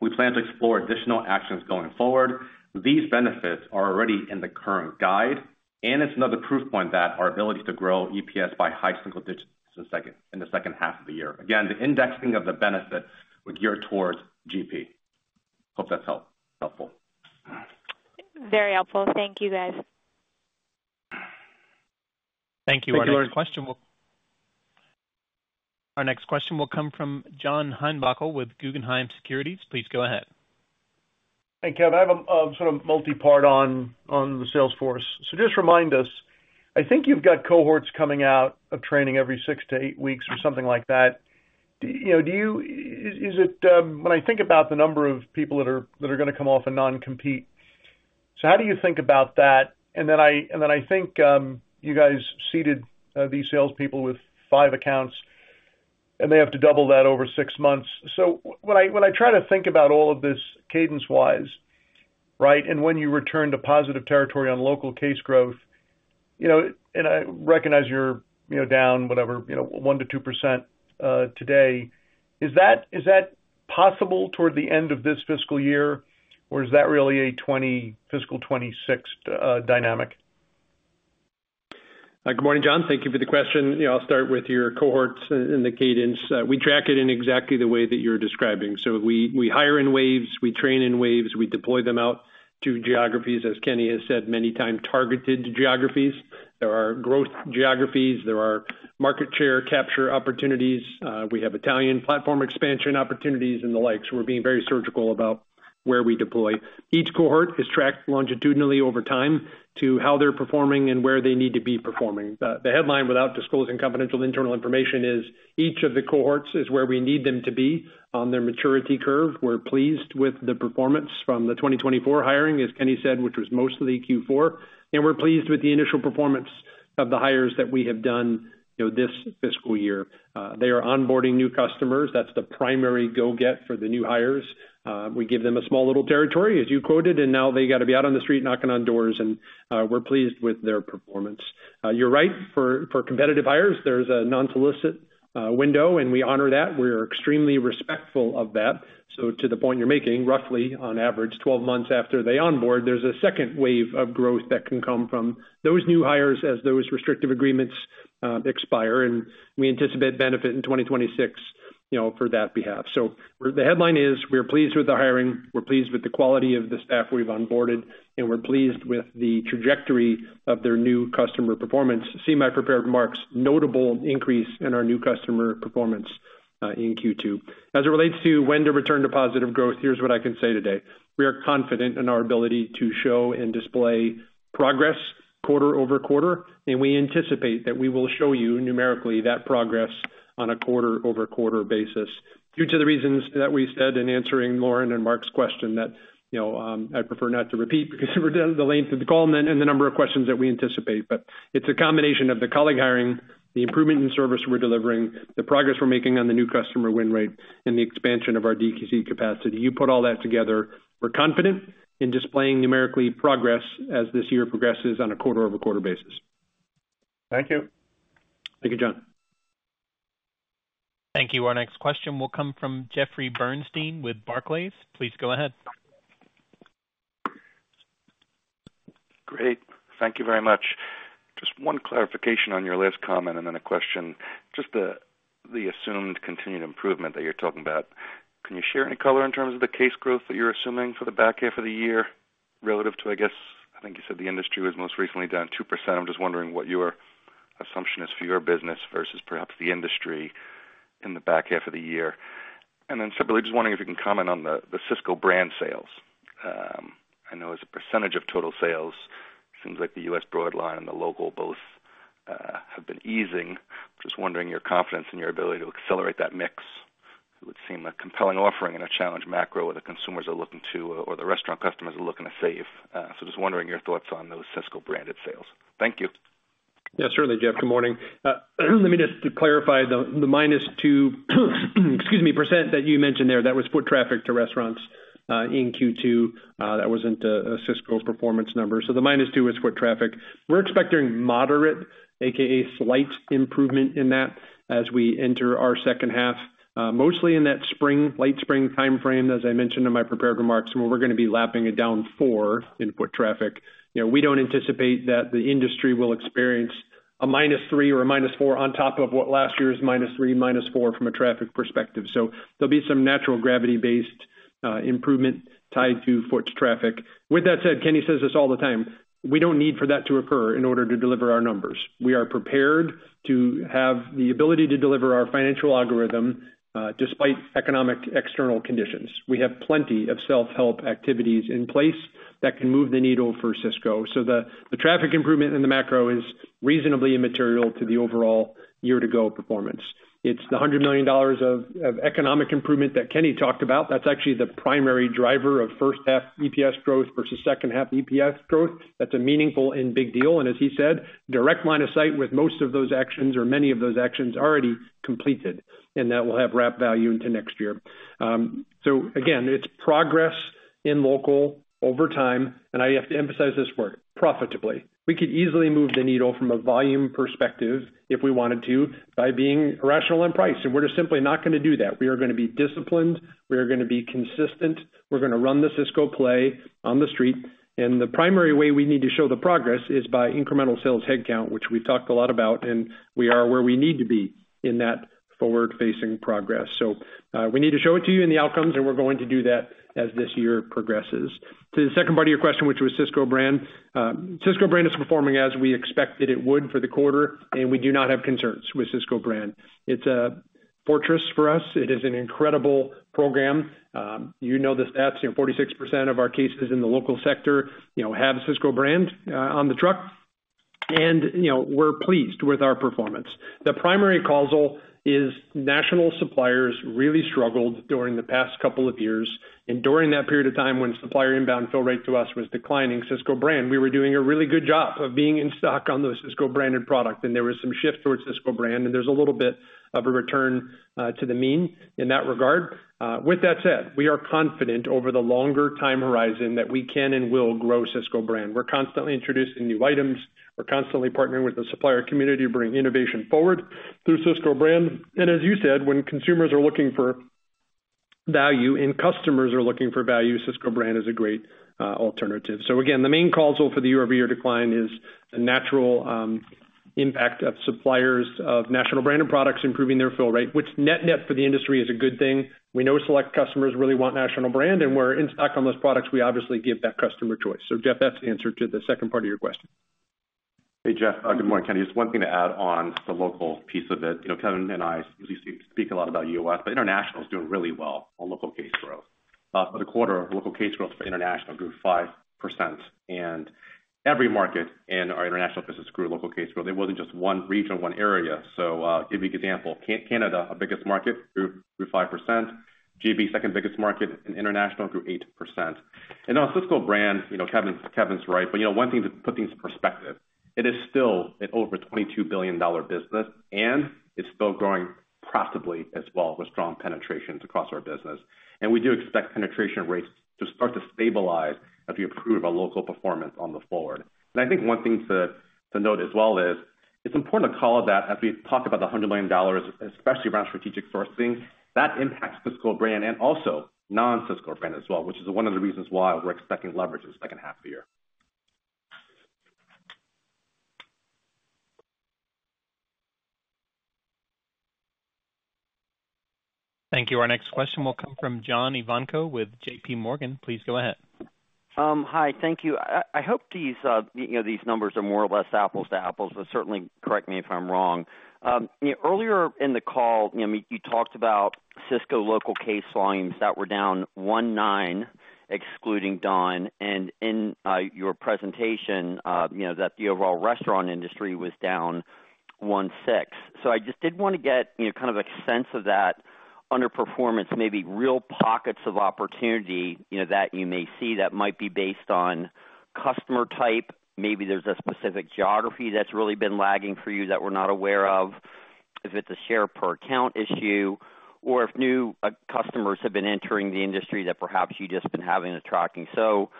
We plan to explore additional actions going forward. These benefits are already in the current guide, and it's another proof point that our ability to grow EPS by high single digits in the second half of the year. Again, the indexing of the benefits would gear towards GP. Hope that's helpful. Very helpful. Thank you, guys. Thank you. Thank you, Lauren. Our next question will come from John Heinbockel with Guggenheim Securities. Please go ahead. Hey, Kevin. I have a sort of multi-part on the sales force. So just remind us, I think you've got cohorts coming out of training every six-to-eight weeks or something like that. Is it when I think about the number of people that are going to come off and non-compete, so how do you think about that? And then I think you guys seated these salespeople with five accounts, and they have to double that over six months. So when I try to think about all of this cadence-wise, right, and when you return to positive territory on local case growth, and I recognize you're down whatever, 1%-2% today, is that possible toward the end of this fiscal year, or is that really a fiscal 2026 dynamic? Good morning, John. Thank you for the question. I'll start with your cohorts and the cadence. We track it in exactly the way that you're describing. So we hire in waves, we train in waves, we deploy them out to geographies, as Kenny has said many times, targeted geographies. There are growth geographies, there are market share capture opportunities. We have Italian platform expansion opportunities and the like. So we're being very surgical about where we deploy. Each cohort is tracked longitudinally over time to how they're performing and where they need to be performing. The headline without disclosing confidential internal information is each of the cohorts is where we need them to be on their maturity curve. We're pleased with the performance from the 2024 hiring, as Kenny said, which was mostly Q4, and we're pleased with the initial performance of the hires that we have done this fiscal year. They are onboarding new customers. That's the primary go-get for the new hires. We give them a small little territory, as you quoted, and now they got to be out on the street knocking on doors, and we're pleased with their performance. You're right. For competitive hires, there's a non-solicit window, and we honor that. We are extremely respectful of that. So to the point you're making, roughly on average, 12 months after they onboard, there's a second wave of growth that can come from those new hires as those restrictive agreements expire, and we anticipate benefit in 2026 for that behalf. So the headline is we're pleased with the hiring, we're pleased with the quality of the staff we've onboarded, and we're pleased with the trajectory of their new customer performance. See my prepared remarks, notable increase in our new customer performance in Q2. As it relates to when to return to positive growth, here's what I can say today. We are confident in our ability to show and display progress quarter-over-quarter, and we anticipate that we will show you numerically that progress on a quarter-over-quarter basis due to the reasons that we said in answering Lauren and Mark's question that I'd prefer not to repeat because we're down to the length of the call and the number of questions that we anticipate. But it's a combination of the colleague hiring, the improvement in service we're delivering, the progress we're making on the new customer win rate, and the expansion of our DQC capacity. You put all that together. We're confident in displaying numerically progress as this year progresses on a quarter-over-quarter basis. Thank you. Thank you, John. Thank you. Our next question will come from Jeffrey Bernstein with Barclays. Please go ahead. Great. Thank you very much. Just one clarification on your last comment and then a question. Just the assumed continued improvement that you're talking about, can you share any color in terms of the case growth that you're assuming for the back half of the year relative to, I guess, I think you said the industry was most recently down 2%. I'm just wondering what your assumption is for your business versus perhaps the industry in the back half of the year. And then simply just wondering if you can comment on the Sysco Brand sales. I know as a percentage of total sales, it seems like the U.S. broadline and the local both have been easing. Just wondering your confidence in your ability to accelerate that mix. It would seem a compelling offering and a challenging macro where the consumers are looking to or the restaurant customers are looking to save. So just wondering your thoughts on those Sysco branded sales. Thank you. Yeah, certainly, Jeff. Good morning. Let me just clarify the -2%, excuse me, that you mentioned there. That was foot traffic to restaurants in Q2. That wasn't a Sysco performance number. So the -2% was foot traffic. We're expecting moderate, a.k.a. slight improvement in that as we enter our second half, mostly in that spring, late spring timeframe, as I mentioned in my prepared remarks. And we're going to be lapping it down four in foot traffic. We don't anticipate that the industry will experience a -3% or a -4% on top of what last year's -3%, -4% from a traffic perspective. So there'll be some natural gravity-based improvement tied to foot traffic. With that said, Kenny says this all the time, we don't need for that to occur in order to deliver our numbers. We are prepared to have the ability to deliver our financial algorithm despite economic external conditions. We have plenty of self-help activities in place that can move the needle for Sysco. So the traffic improvement in the macro is reasonably immaterial to the overall year-to-go performance. It's the $100 million of economic improvement that Kenny talked about. That's actually the primary driver of first-half EPS growth versus second-half EPS growth. That's a meaningful and big deal, and as he said, direct line of sight with most of those actions or many of those actions already completed, and that will have wrap value into next year. So again, it's progress in local over time, and I have to emphasize this word, profitably. We could easily move the needle from a volume perspective if we wanted to by being rational in price. And we're just simply not going to do that. We are going to be disciplined. We are going to be consistent. We're going to run the Sysco play on the street. And the primary way we need to show the progress is by incremental sales headcount, which we've talked a lot about, and we are where we need to be in that forward-facing progress. So we need to show it to you in the outcomes, and we're going to do that as this year progresses. To the second part of your question, which was Sysco Brand, Sysco Brand is performing as we expected it would for the quarter, and we do not have concerns with Sysco Brand. It's a fortress for us. It is an incredible program. You know the stats. 46% of our cases in the local sector have Sysco Brand on the truck. And we're pleased with our performance. The primary cause is national suppliers really struggled during the past couple of years. And during that period of time when supplier inbound fill rate to us was declining, Sysco Brand, we were doing a really good job of being in stock on those Sysco Brand products. And there was some shift towards Sysco Brand, and there's a little bit of a return to the mean in that regard. With that said, we are confident over the longer time horizon that we can and will grow Sysco Brand. We're constantly introducing new items. We're constantly partnering with the supplier community to bring innovation forward through Sysco Brand. And as you said, when consumers are looking for value and customers are looking for value, Sysco Brand is a great alternative. So again, the main cause for the year-over-year decline is the natural impact of suppliers of national branded products improving their fill rate, which net-net for the industry is a good thing. We know select customers really want national brand, and we're in stock on those products. We obviously give that customer choice. So Jeff, that's the answer to the second part of your question. Hey, Jeff. Good morning, Kenny. Just one thing to add on the local piece of it. Kevin and I speak a lot about U.S., but international is doing really well on local case growth. For the quarter, local case growth for international grew 5%. And every market in our international business grew local case growth. It wasn't just one region, one area. So give you an example. Canada, our biggest market, grew 5%. GB, second biggest market in international, grew 8%. On Sysco Brand, Kevin's right. But one thing to put things in perspective, it is still an over $22 billion business, and it's still growing profitably as well with strong penetrations across our business. We do expect penetration rates to start to stabilize as we improve our local performance going forward. I think one thing to note as well is it's important to call out that as we talk about the $100 million, especially around strategic sourcing, that impacts Sysco Brand and also non-Sysco Brand as well, which is one of the reasons why we're expecting leverage in the second half of the year. Thank you. Our next question will come from John Ivankoe with J.P. Morgan. Please go ahead. Hi. Thank you. I hope these numbers are more or less apples to apples, but certainly correct me if I'm wrong. Earlier in the call, you talked about Sysco local case volumes that were down 1.9%, excluding Don, and in your presentation that the overall restaurant industry was down 1.6%. So I just did want to get kind of a sense of that underperformance, maybe real pockets of opportunity that you may see that might be based on customer type. Maybe there's a specific geography that's really been lagging for you that we're not aware of, if it's a share per account issue, or if new customers have been entering the industry that perhaps you've just been having a tracking. So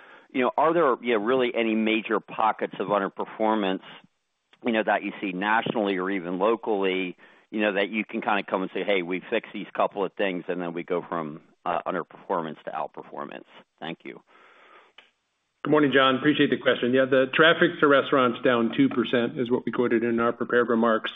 are there really any major pockets of underperformance that you see nationally or even locally that you can kind of come and say, "Hey, we fix these couple of things," and then we go from underperformance to outperformance? Thank you. Good morning, John. Appreciate the question. Yeah, the traffic to restaurants down 2% is what we quoted in our prepared remarks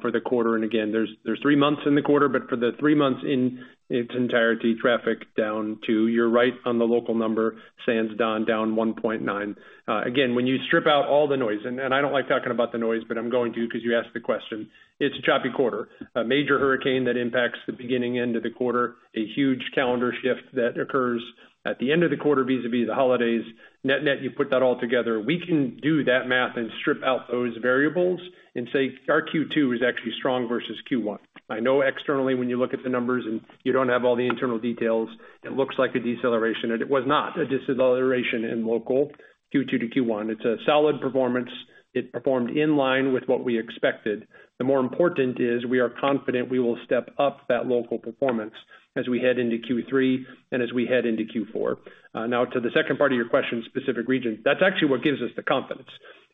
for the quarter. And again, there's three months in the quarter, but for the three months in its entirety, traffic down to your right on the local number, and the Don down 1.9%. Again, when you strip out all the noise, and I don't like talking about the noise, but I'm going to because you asked the question, it's a choppy quarter. A major hurricane that impacts the beginning and end of the quarter, a huge calendar shift that occurs at the end of the quarter vis-à-vis the holidays, net-net you put that all together. We can do that math and strip out those variables and say our Q2 is actually strong versus Q1. I know externally when you look at the numbers and you don't have all the internal details, it looks like a deceleration, and it was not a deceleration in local Q2 to Q1. It's a solid performance. It performed in line with what we expected. The more important is we are confident we will step up that local performance as we head into Q3 and as we head into Q4. Now, to the second part of your question, specific region, that's actually what gives us the confidence.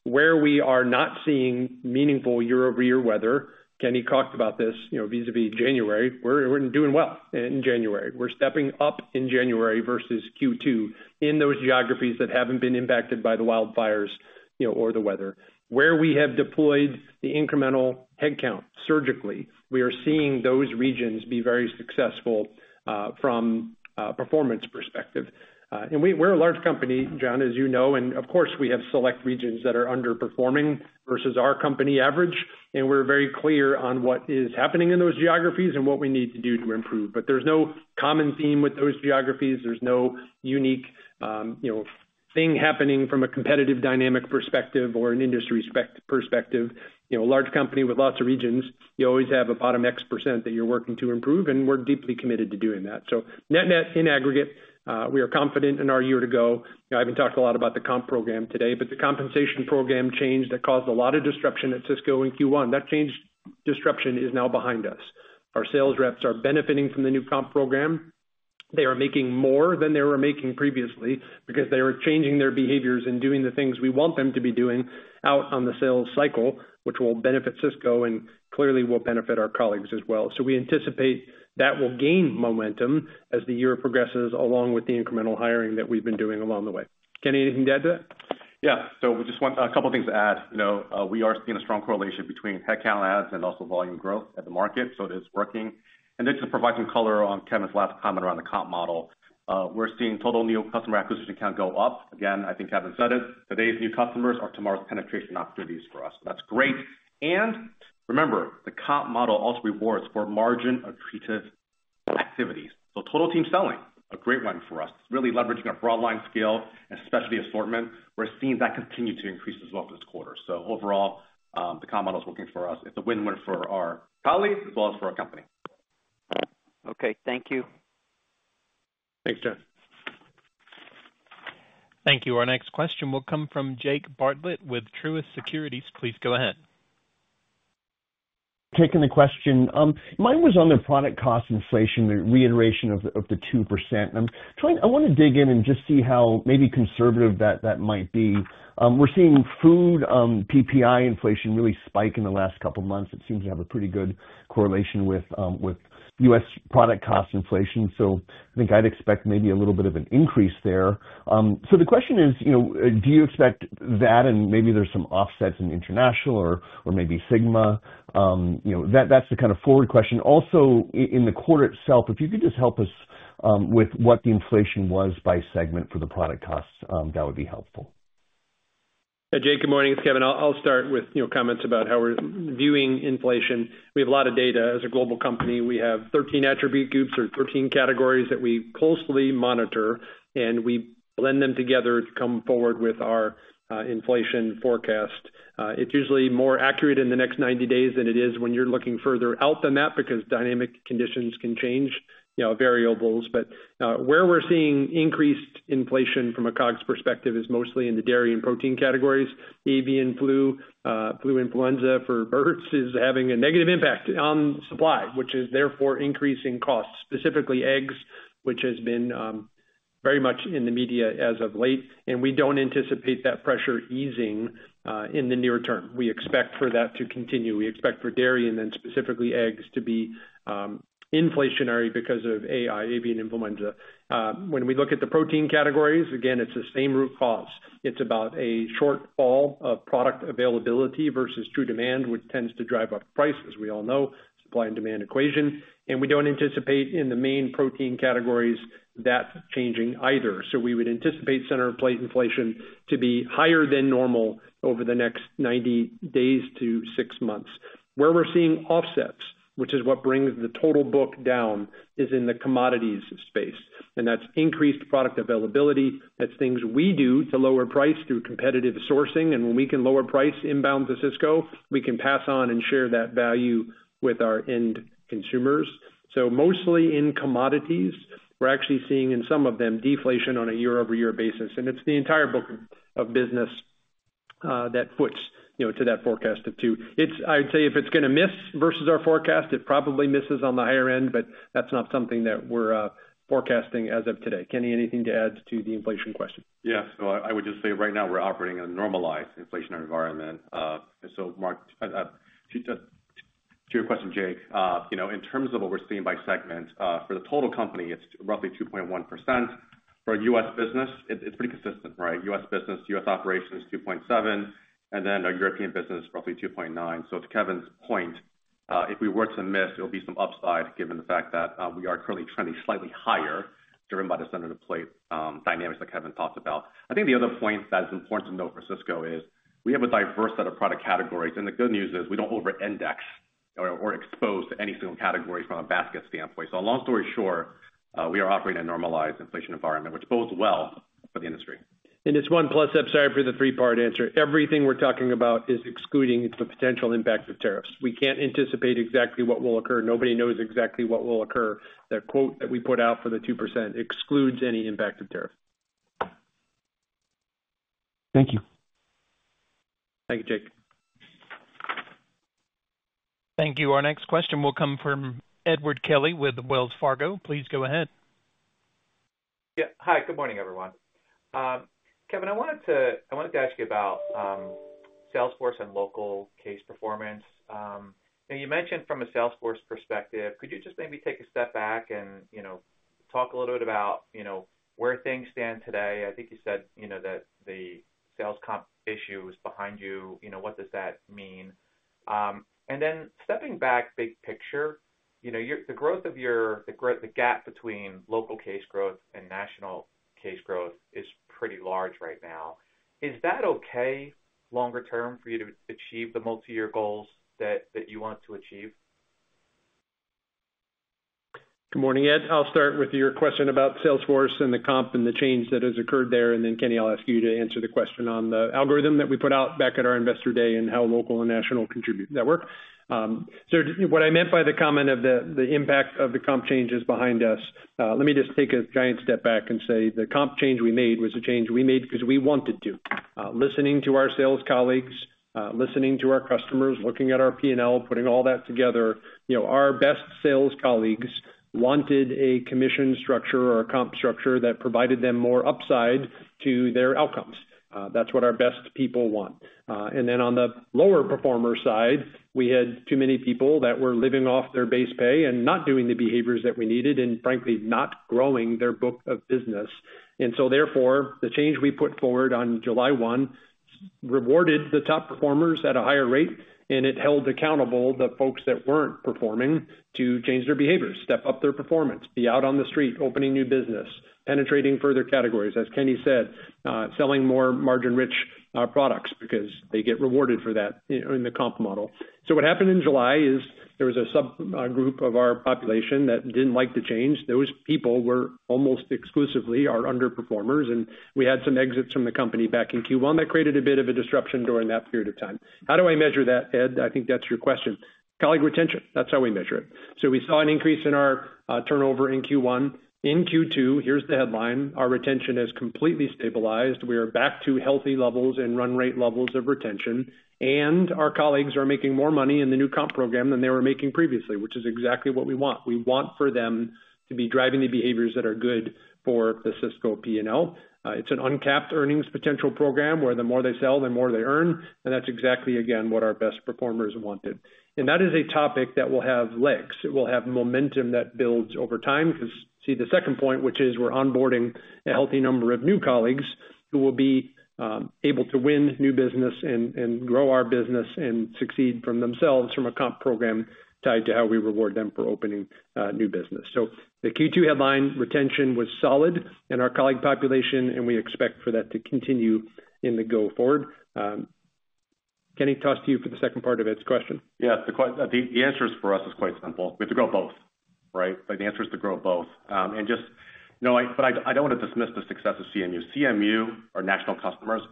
Where we are not seeing meaningful year-over-year weather, Kenny talked about this vis-à-vis January, we're doing well in January. We're stepping up in January versus Q2 in those geographies that haven't been impacted by the wildfires or the weather. Where we have deployed the incremental headcount surgically, we are seeing those regions be very successful from a performance perspective. We're a large company, John, as you know, and of course, we have select regions that are underperforming versus our company average. We're very clear on what is happening in those geographies and what we need to do to improve. There's no common theme with those geographies. There's no unique thing happening from a competitive dynamic perspective or an industry perspective. Large company with lots of regions, you always have a bottom X% that you're working to improve, and we're deeply committed to doing that. Net-net in aggregate, we are confident in our year-to-go. I haven't talked a lot about the comp program today, but the compensation program change that caused a lot of disruption at Sysco in Q1, that change disruption is now behind us. Our sales reps are benefiting from the new comp program. They are making more than they were making previously because they are changing their behaviors and doing the things we want them to be doing out on the sales cycle, which will benefit Sysco and clearly will benefit our colleagues as well. So we anticipate that will gain momentum as the year progresses along with the incremental hiring that we've been doing along the way. Kenny, anything to add to that? Yeah. So just a couple of things to add. We are seeing a strong correlation between headcount adds and also volume growth in the market. So it is working. And then to provide some color on Kevin's last comment around the comp model, we're seeing total new customer acquisition count go up. Again, I think Kevin said it, today's new customers are tomorrow's penetration opportunities for us. That's great. And remember, the comp model also rewards for margin-accretive activities. So total team selling, a great one for us. It's really leveraging a broadline scale, especially assortment. We're seeing that continue to increase as well this quarter. So overall, the comp model is working for us. It's a win-win for our colleagues as well as for our company. Okay. Thank you. Thanks, Jeff. Thank you. Our next question will come from Jake Bartlett with Truist Securities. Please go ahead. Taking the question, mine was on the product cost inflation, the reiteration of the 2%. I want to dig in and just see how maybe conservative that might be. We're seeing food PPI inflation really spike in the last couple of months. It seems to have a pretty good correlation with U.S. product cost inflation. So I think I'd expect maybe a little bit of an increase there. So the question is, do you expect that? Maybe there's some offsets in international or maybe SYGMA. That's the kind of forward question. Also, in the quarter itself, if you could just help us with what the inflation was by segment for the product costs, that would be helpful. Yeah. Jake, good morning. It's Kevin. I'll start with comments about how we're viewing inflation. We have a lot of data. As a global company, we have 13 attribute groups or 13 categories that we closely monitor, and we blend them together to come forward with our inflation forecast. It's usually more accurate in the next 90 days than it is when you're looking further out than that because dynamic conditions can change variables. But where we're seeing increased inflation from a COGS perspective is mostly in the dairy and protein categories. Avian flu, flu Influenza for birds is having a negative impact on supply, which is therefore increasing costs, specifically eggs, which has been very much in the media as of late. And we don't anticipate that pressure easing in the near term. We expect for that to continue. We expect for dairy and then specifically eggs to be inflationary because of AI, Avian Influenza. When we look at the protein categories, again, it's the same root cause. It's about a shortfall of product availability versus true demand, which tends to drive up price, as we all know, supply and demand equation. And we don't anticipate in the main protein categories that changing either. So we would anticipate center plate inflation to be higher than normal over the next 90 days to six months. Where we're seeing offsets, which is what brings the total book down, is in the commodities space. That's increased product availability. That's things we do to lower price through competitive sourcing. And when we can lower price inbound to Sysco, we can pass on and share that value with our end consumers. So mostly in commodities, we're actually seeing in some of them deflation on a year-over-year basis. And it's the entire book of business that puts to that forecast of 2%. I'd say if it's going to miss versus our forecast, it probably misses on the higher end, but that's not something that we're forecasting as of today. Kenny, anything to add to the inflation question? Yeah. So I would just say right now we're operating in a normalized inflationary environment. So to your question, Jake, in terms of what we're seeing by segment, for the total company, it's roughly 2.1%. For a U.S. business, it's pretty consistent, right? U.S. business, U.S. Operations 2.7%, and then our European business roughly 2.9%. To Kevin's point, if we were to miss, it'll be some upside given the fact that we are currently trending slightly higher driven by the center of the plate dynamics that Kevin talked about. I think the other point that's important to note for Sysco is we have a diverse set of product categories. The good news is we don't over-index or expose to any single category from a basket standpoint. Long story short, we are operating in a normalized inflation environment, which bodes well for the industry. It's one plus upside for the three-part answer. Everything we're talking about is excluding the potential impact of tariffs. We can't anticipate exactly what will occur. Nobody knows exactly what will occur. That quote that we put out for the 2% excludes any impact of tariffs. Thank you. Thank you, Jake. Thank you. Our next question will come from Edward Kelly with Wells Fargo. Please go ahead. Yeah. Hi. Good morning, everyone. Kevin, I wanted to ask you about sales force and local case performance. You mentioned from a sales force perspective, could you just maybe take a step back and talk a little bit about where things stand today? I think you said that the sales comp issue is behind you. What does that mean? And then stepping back, big picture, the growth of the gap between local case growth and national case growth is pretty large right now. Is that okay longer term for you to achieve the multi-year goals that you want to achieve? Good morning, Ed. I'll start with your question about sales force and the comp and the change that has occurred there. And then, Kenny, I'll ask you to answer the question on the algorithm that we put out back at our investor day and how local and national contribute network. So what I meant by the comment of the impact of the comp change is behind us. Let me just take a giant step back and say the comp change we made was a change we made because we wanted to. Listening to our sales colleagues, listening to our customers, looking at our P&L, putting all that together, our best sales colleagues wanted a commission structure or a comp structure that provided them more upside to their outcomes. That's what our best people want. And then on the lower performer side, we had too many people that were living off their base pay and not doing the behaviors that we needed and, frankly, not growing their book of business. Therefore, the change we put forward on July 1 rewarded the top performers at a higher rate, and it held accountable the folks that weren't performing to change their behaviors, step up their performance, be out on the street, opening new business, penetrating further categories, as Kenny said, selling more margin-rich products because they get rewarded for that in the comp model. What happened in July is there was a subgroup of our population that didn't like the change. Those people were almost exclusively our underperformers. We had some exits from the company back in Q1 that created a bit of a disruption during that period of time. How do I measure that, Ed? I think that's your question. Colleague retention. That's how we measure it. We saw an increase in our turnover in Q1. In Q2, here's the headline. Our retention has completely stabilized. We are back to healthy levels and run rate levels of retention, and our colleagues are making more money in the new comp program than they were making previously, which is exactly what we want. We want for them to be driving the behaviors that are good for the Sysco P&L. It's an uncapped earnings potential program where the more they sell, the more they earn. And that's exactly, again, what our best performers wanted, and that is a topic that will have legs. It will have momentum that builds over time because, see, the second point, which is we're onboarding a healthy number of new colleagues who will be able to win new business and grow our business and succeed for themselves from a comp program tied to how we reward them for opening new business. So the Q2 headline retention was solid in our colleague population, and we expect for that to continue in the going forward. Kenny, toss to you for the second part of Ed's question. Yeah. The answer for us is quite simple. We have to grow both, right? But the answer is to grow both. And just, but I don't want to dismiss the success of CMU. CMU, our national customers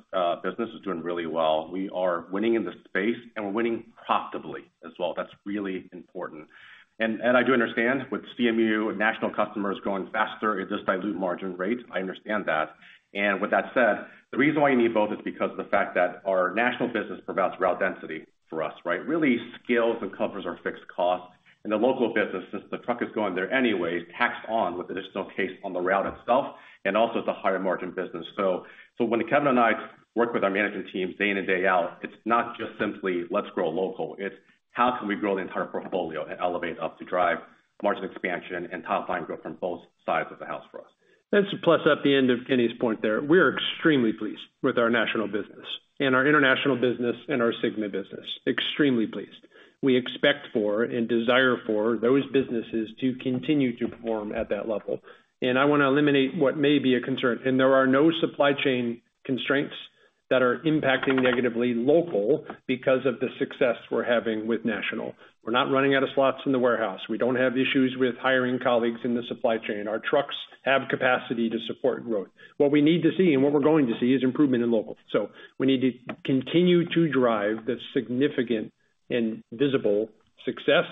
business, is doing really well. We are winning in the space, and we're winning profitably as well. That's really important. And I do understand with CMU and national customers going faster, it does dilute margin rates. I understand that. And with that said, the reason why you need both is because of the fact that our national business provides route density for us, right? Really scales and covers our fixed costs. And the local business, since the truck is going there anyway, tacked on with additional case on the route itself and also the higher margin business. So when Kevin and I work with our management teams day in and day out, it's not just simply, let's grow local. It's how can we grow the entire portfolio and leverage to drive margin expansion and top-line growth from both sides of the house for us. That's a plus at the end of Kenny's point there. We are extremely pleased with our national business and our international business and our SYGMA business. Extremely pleased. We expect for and desire for those businesses to continue to perform at that level. And I want to eliminate what may be a concern. And there are no supply chain constraints that are impacting negatively local because of the success we're having with national. We're not running out of slots in the warehouse. We don't have issues with hiring colleagues in the supply chain. Our trucks have capacity to support growth. What we need to see and what we're going to see is improvement in local. So we need to continue to drive the significant and visible success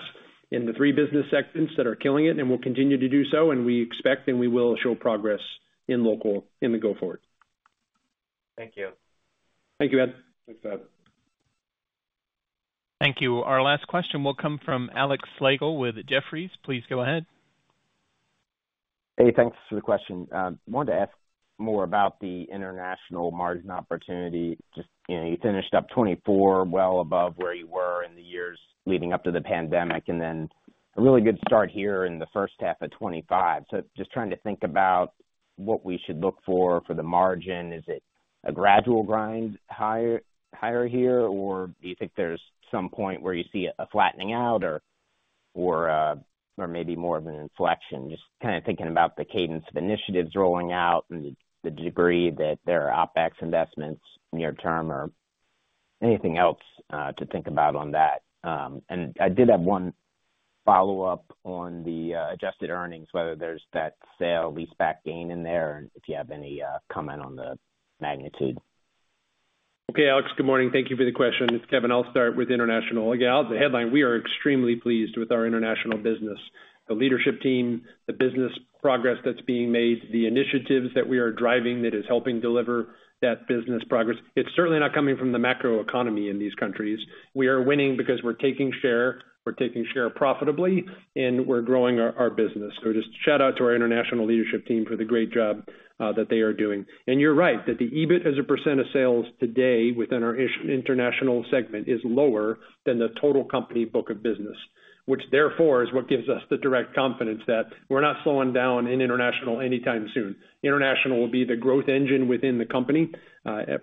in the three business segments that are killing it, and we'll continue to do so. And we expect and we will show progress in local in the go forward. Thank you. Thank you, Ed. Thanks, Ed. Thank you. Our last question will come from Alex Slagle with Jefferies. Please go ahead. Hey, thanks for the question. I wanted to ask more about the international margin opportunity. Just, you finished up 2024 well above where you were in the years leading up to the pandemic and then a really good start here in the first half of 2025. So just trying to think about what we should look for for the margin. Is it a gradual grind higher here, or do you think there's some point where you see a flattening out or maybe more of an inflection? Just kind of thinking about the cadence of initiatives rolling out and the degree that there are OPEX investments near term or anything else to think about on that. And I did have one follow-up on the adjusted earnings, whether there's that sale-leaseback gain in there and if you have any comment on the magnitude. Okay, Alex, good morning. Thank you for the question. It's Kevin. I'll start with international. Again, the headline, we are extremely pleased with our international business, the leadership team, the business progress that's being made, the initiatives that we are driving that is helping deliver that business progress. It's certainly not coming from the macro economy in these countries. We are winning because we're taking share. We're taking share profitably, and we're growing our business. So just shout out to our international leadership team for the great job that they are doing. And you're right that the EBIT as a % of sales today within our international segment is lower than the total company book of business, which therefore is what gives us the direct confidence that we're not slowing down in international anytime soon. International will be the growth engine within the company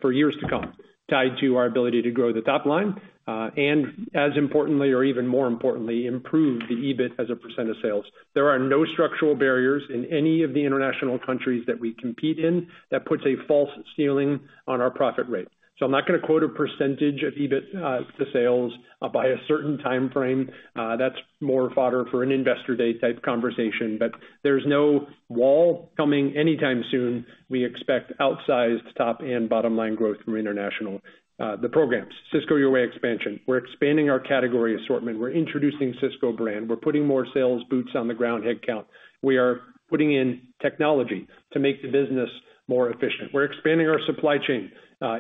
for years to come, tied to our ability to grow the top line and, as importantly, or even more importantly, improve the EBIT as a percent of sales. There are no structural barriers in any of the international countries that we compete in that puts a false ceiling on our profit rate. So I'm not going to quote a percentage of EBIT to sales by a certain time frame. That's more fodder for an investor day type conversation. But there's no wall coming anytime soon. We expect outsized top and bottom line growth from international. The programs, Sysco Your Way expansion. We're expanding our category assortment. We're introducing Sysco Brand. We're putting more sales boots on the ground headcount. We are putting in technology to make the business more efficient. We're expanding our supply chain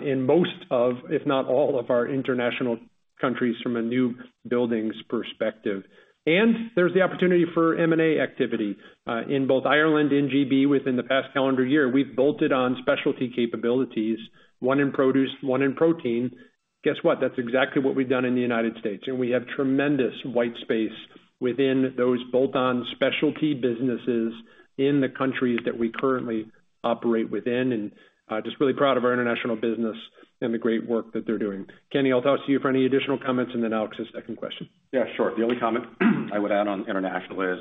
in most of, if not all of our international countries from a new buildings perspective. And there's the opportunity for M&A activity in both Ireland and GB within the past calendar year. We've bolted on specialty capabilities, one in produce, one in protein. Guess what? That's exactly what we've done in the United States. And we have tremendous white space within those bolt-on specialty businesses in the countries that we currently operate within. And just really proud of our international business and the great work that they're doing. Kenny, I'll toss to you for any additional comments, and then Alex has a second question. Yeah, sure. The only comment I would add on international is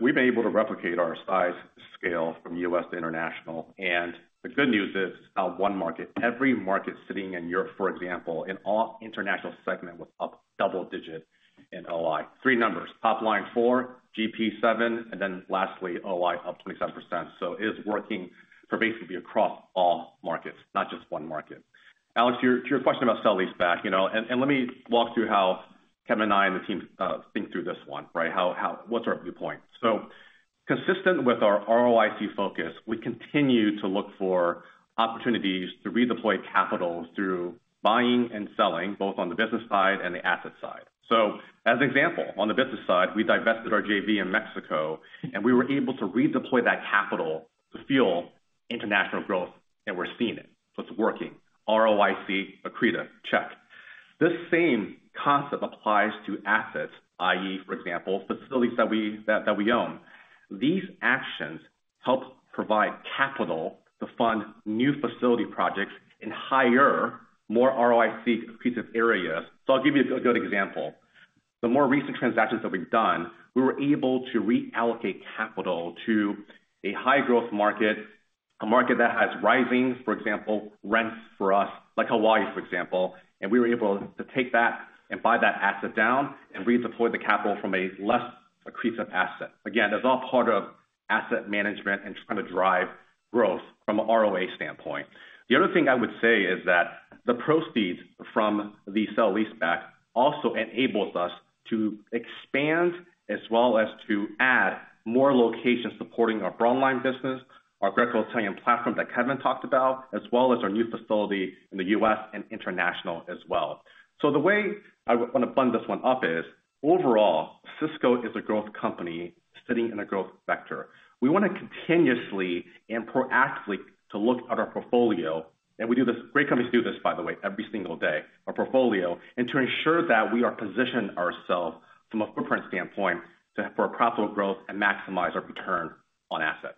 we've been able to replicate our size scale from U.S. to international. And the good news is it's not one market. Every market sitting in Europe, for example, in all international segment was up double-digit in OI. Three numbers: top line 4%, GP 7%, and then lastly, OI up 27%. So it is working pervasively across all markets, not just one market. Alex, to your question about sale-leaseback, and let me walk through how Kevin and I and the team think through this one, right? What's our viewpoint? So consistent with our ROIC focus, we continue to look for opportunities to redeploy capital through buying and selling both on the business side and the asset side. So as an example, on the business side, we divested our JV in Mexico, and we were able to redeploy that capital to fuel international growth that we're seeing it. So it's working. ROIC, accretive, check. This same concept applies to assets, i.e., for example, facilities that we own. These actions help provide capital to fund new facility projects in higher, more ROIC pieces of areas. So I'll give you a good example. The more recent transactions that we've done, we were able to reallocate capital to a high-growth market, a market that has rising, for example, rents for us, like Hawaii, for example. And we were able to take that and buy that asset down and redeploy the capital from a less accretive asset. Again, that's all part of asset management and trying to drive growth from an ROA standpoint. The other thing I would say is that the proceeds from the sale-leaseback also enables us to expand as well as to add more locations supporting our broadline business, our Greco Italian platform that Kevin talked about, as well as our new facility in the U.S. and international as well. So the way I want to blend this one up is overall, Sysco is a growth company sitting in a growth vector. We want to continuously and proactively look at our portfolio. And we do this great company to do this, by the way, every single day, our portfolio, and to ensure that we are positioning ourselves from a footprint standpoint for profitable growth and maximize our return on asset.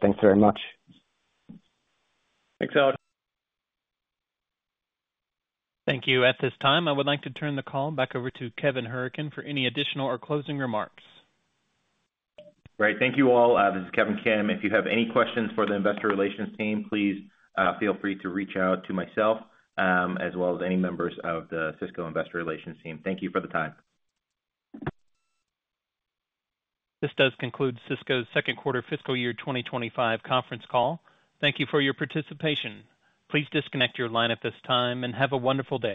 Thanks very much. Thanks, Alex. Thank you. At this time, I would like to turn the call back over to Kevin Hourican for any additional or closing remarks. Great. Thank you all. This is Kevin Kim. If you have any questions for the investor relations team, please feel free to reach out to myself as well as any members of the Sysco investor relations team. Thank you for the time. This does conclude Sysco's second quarter fiscal year 2025 conference call. Thank you for your participation. Please disconnect your line at this time and have a wonderful day.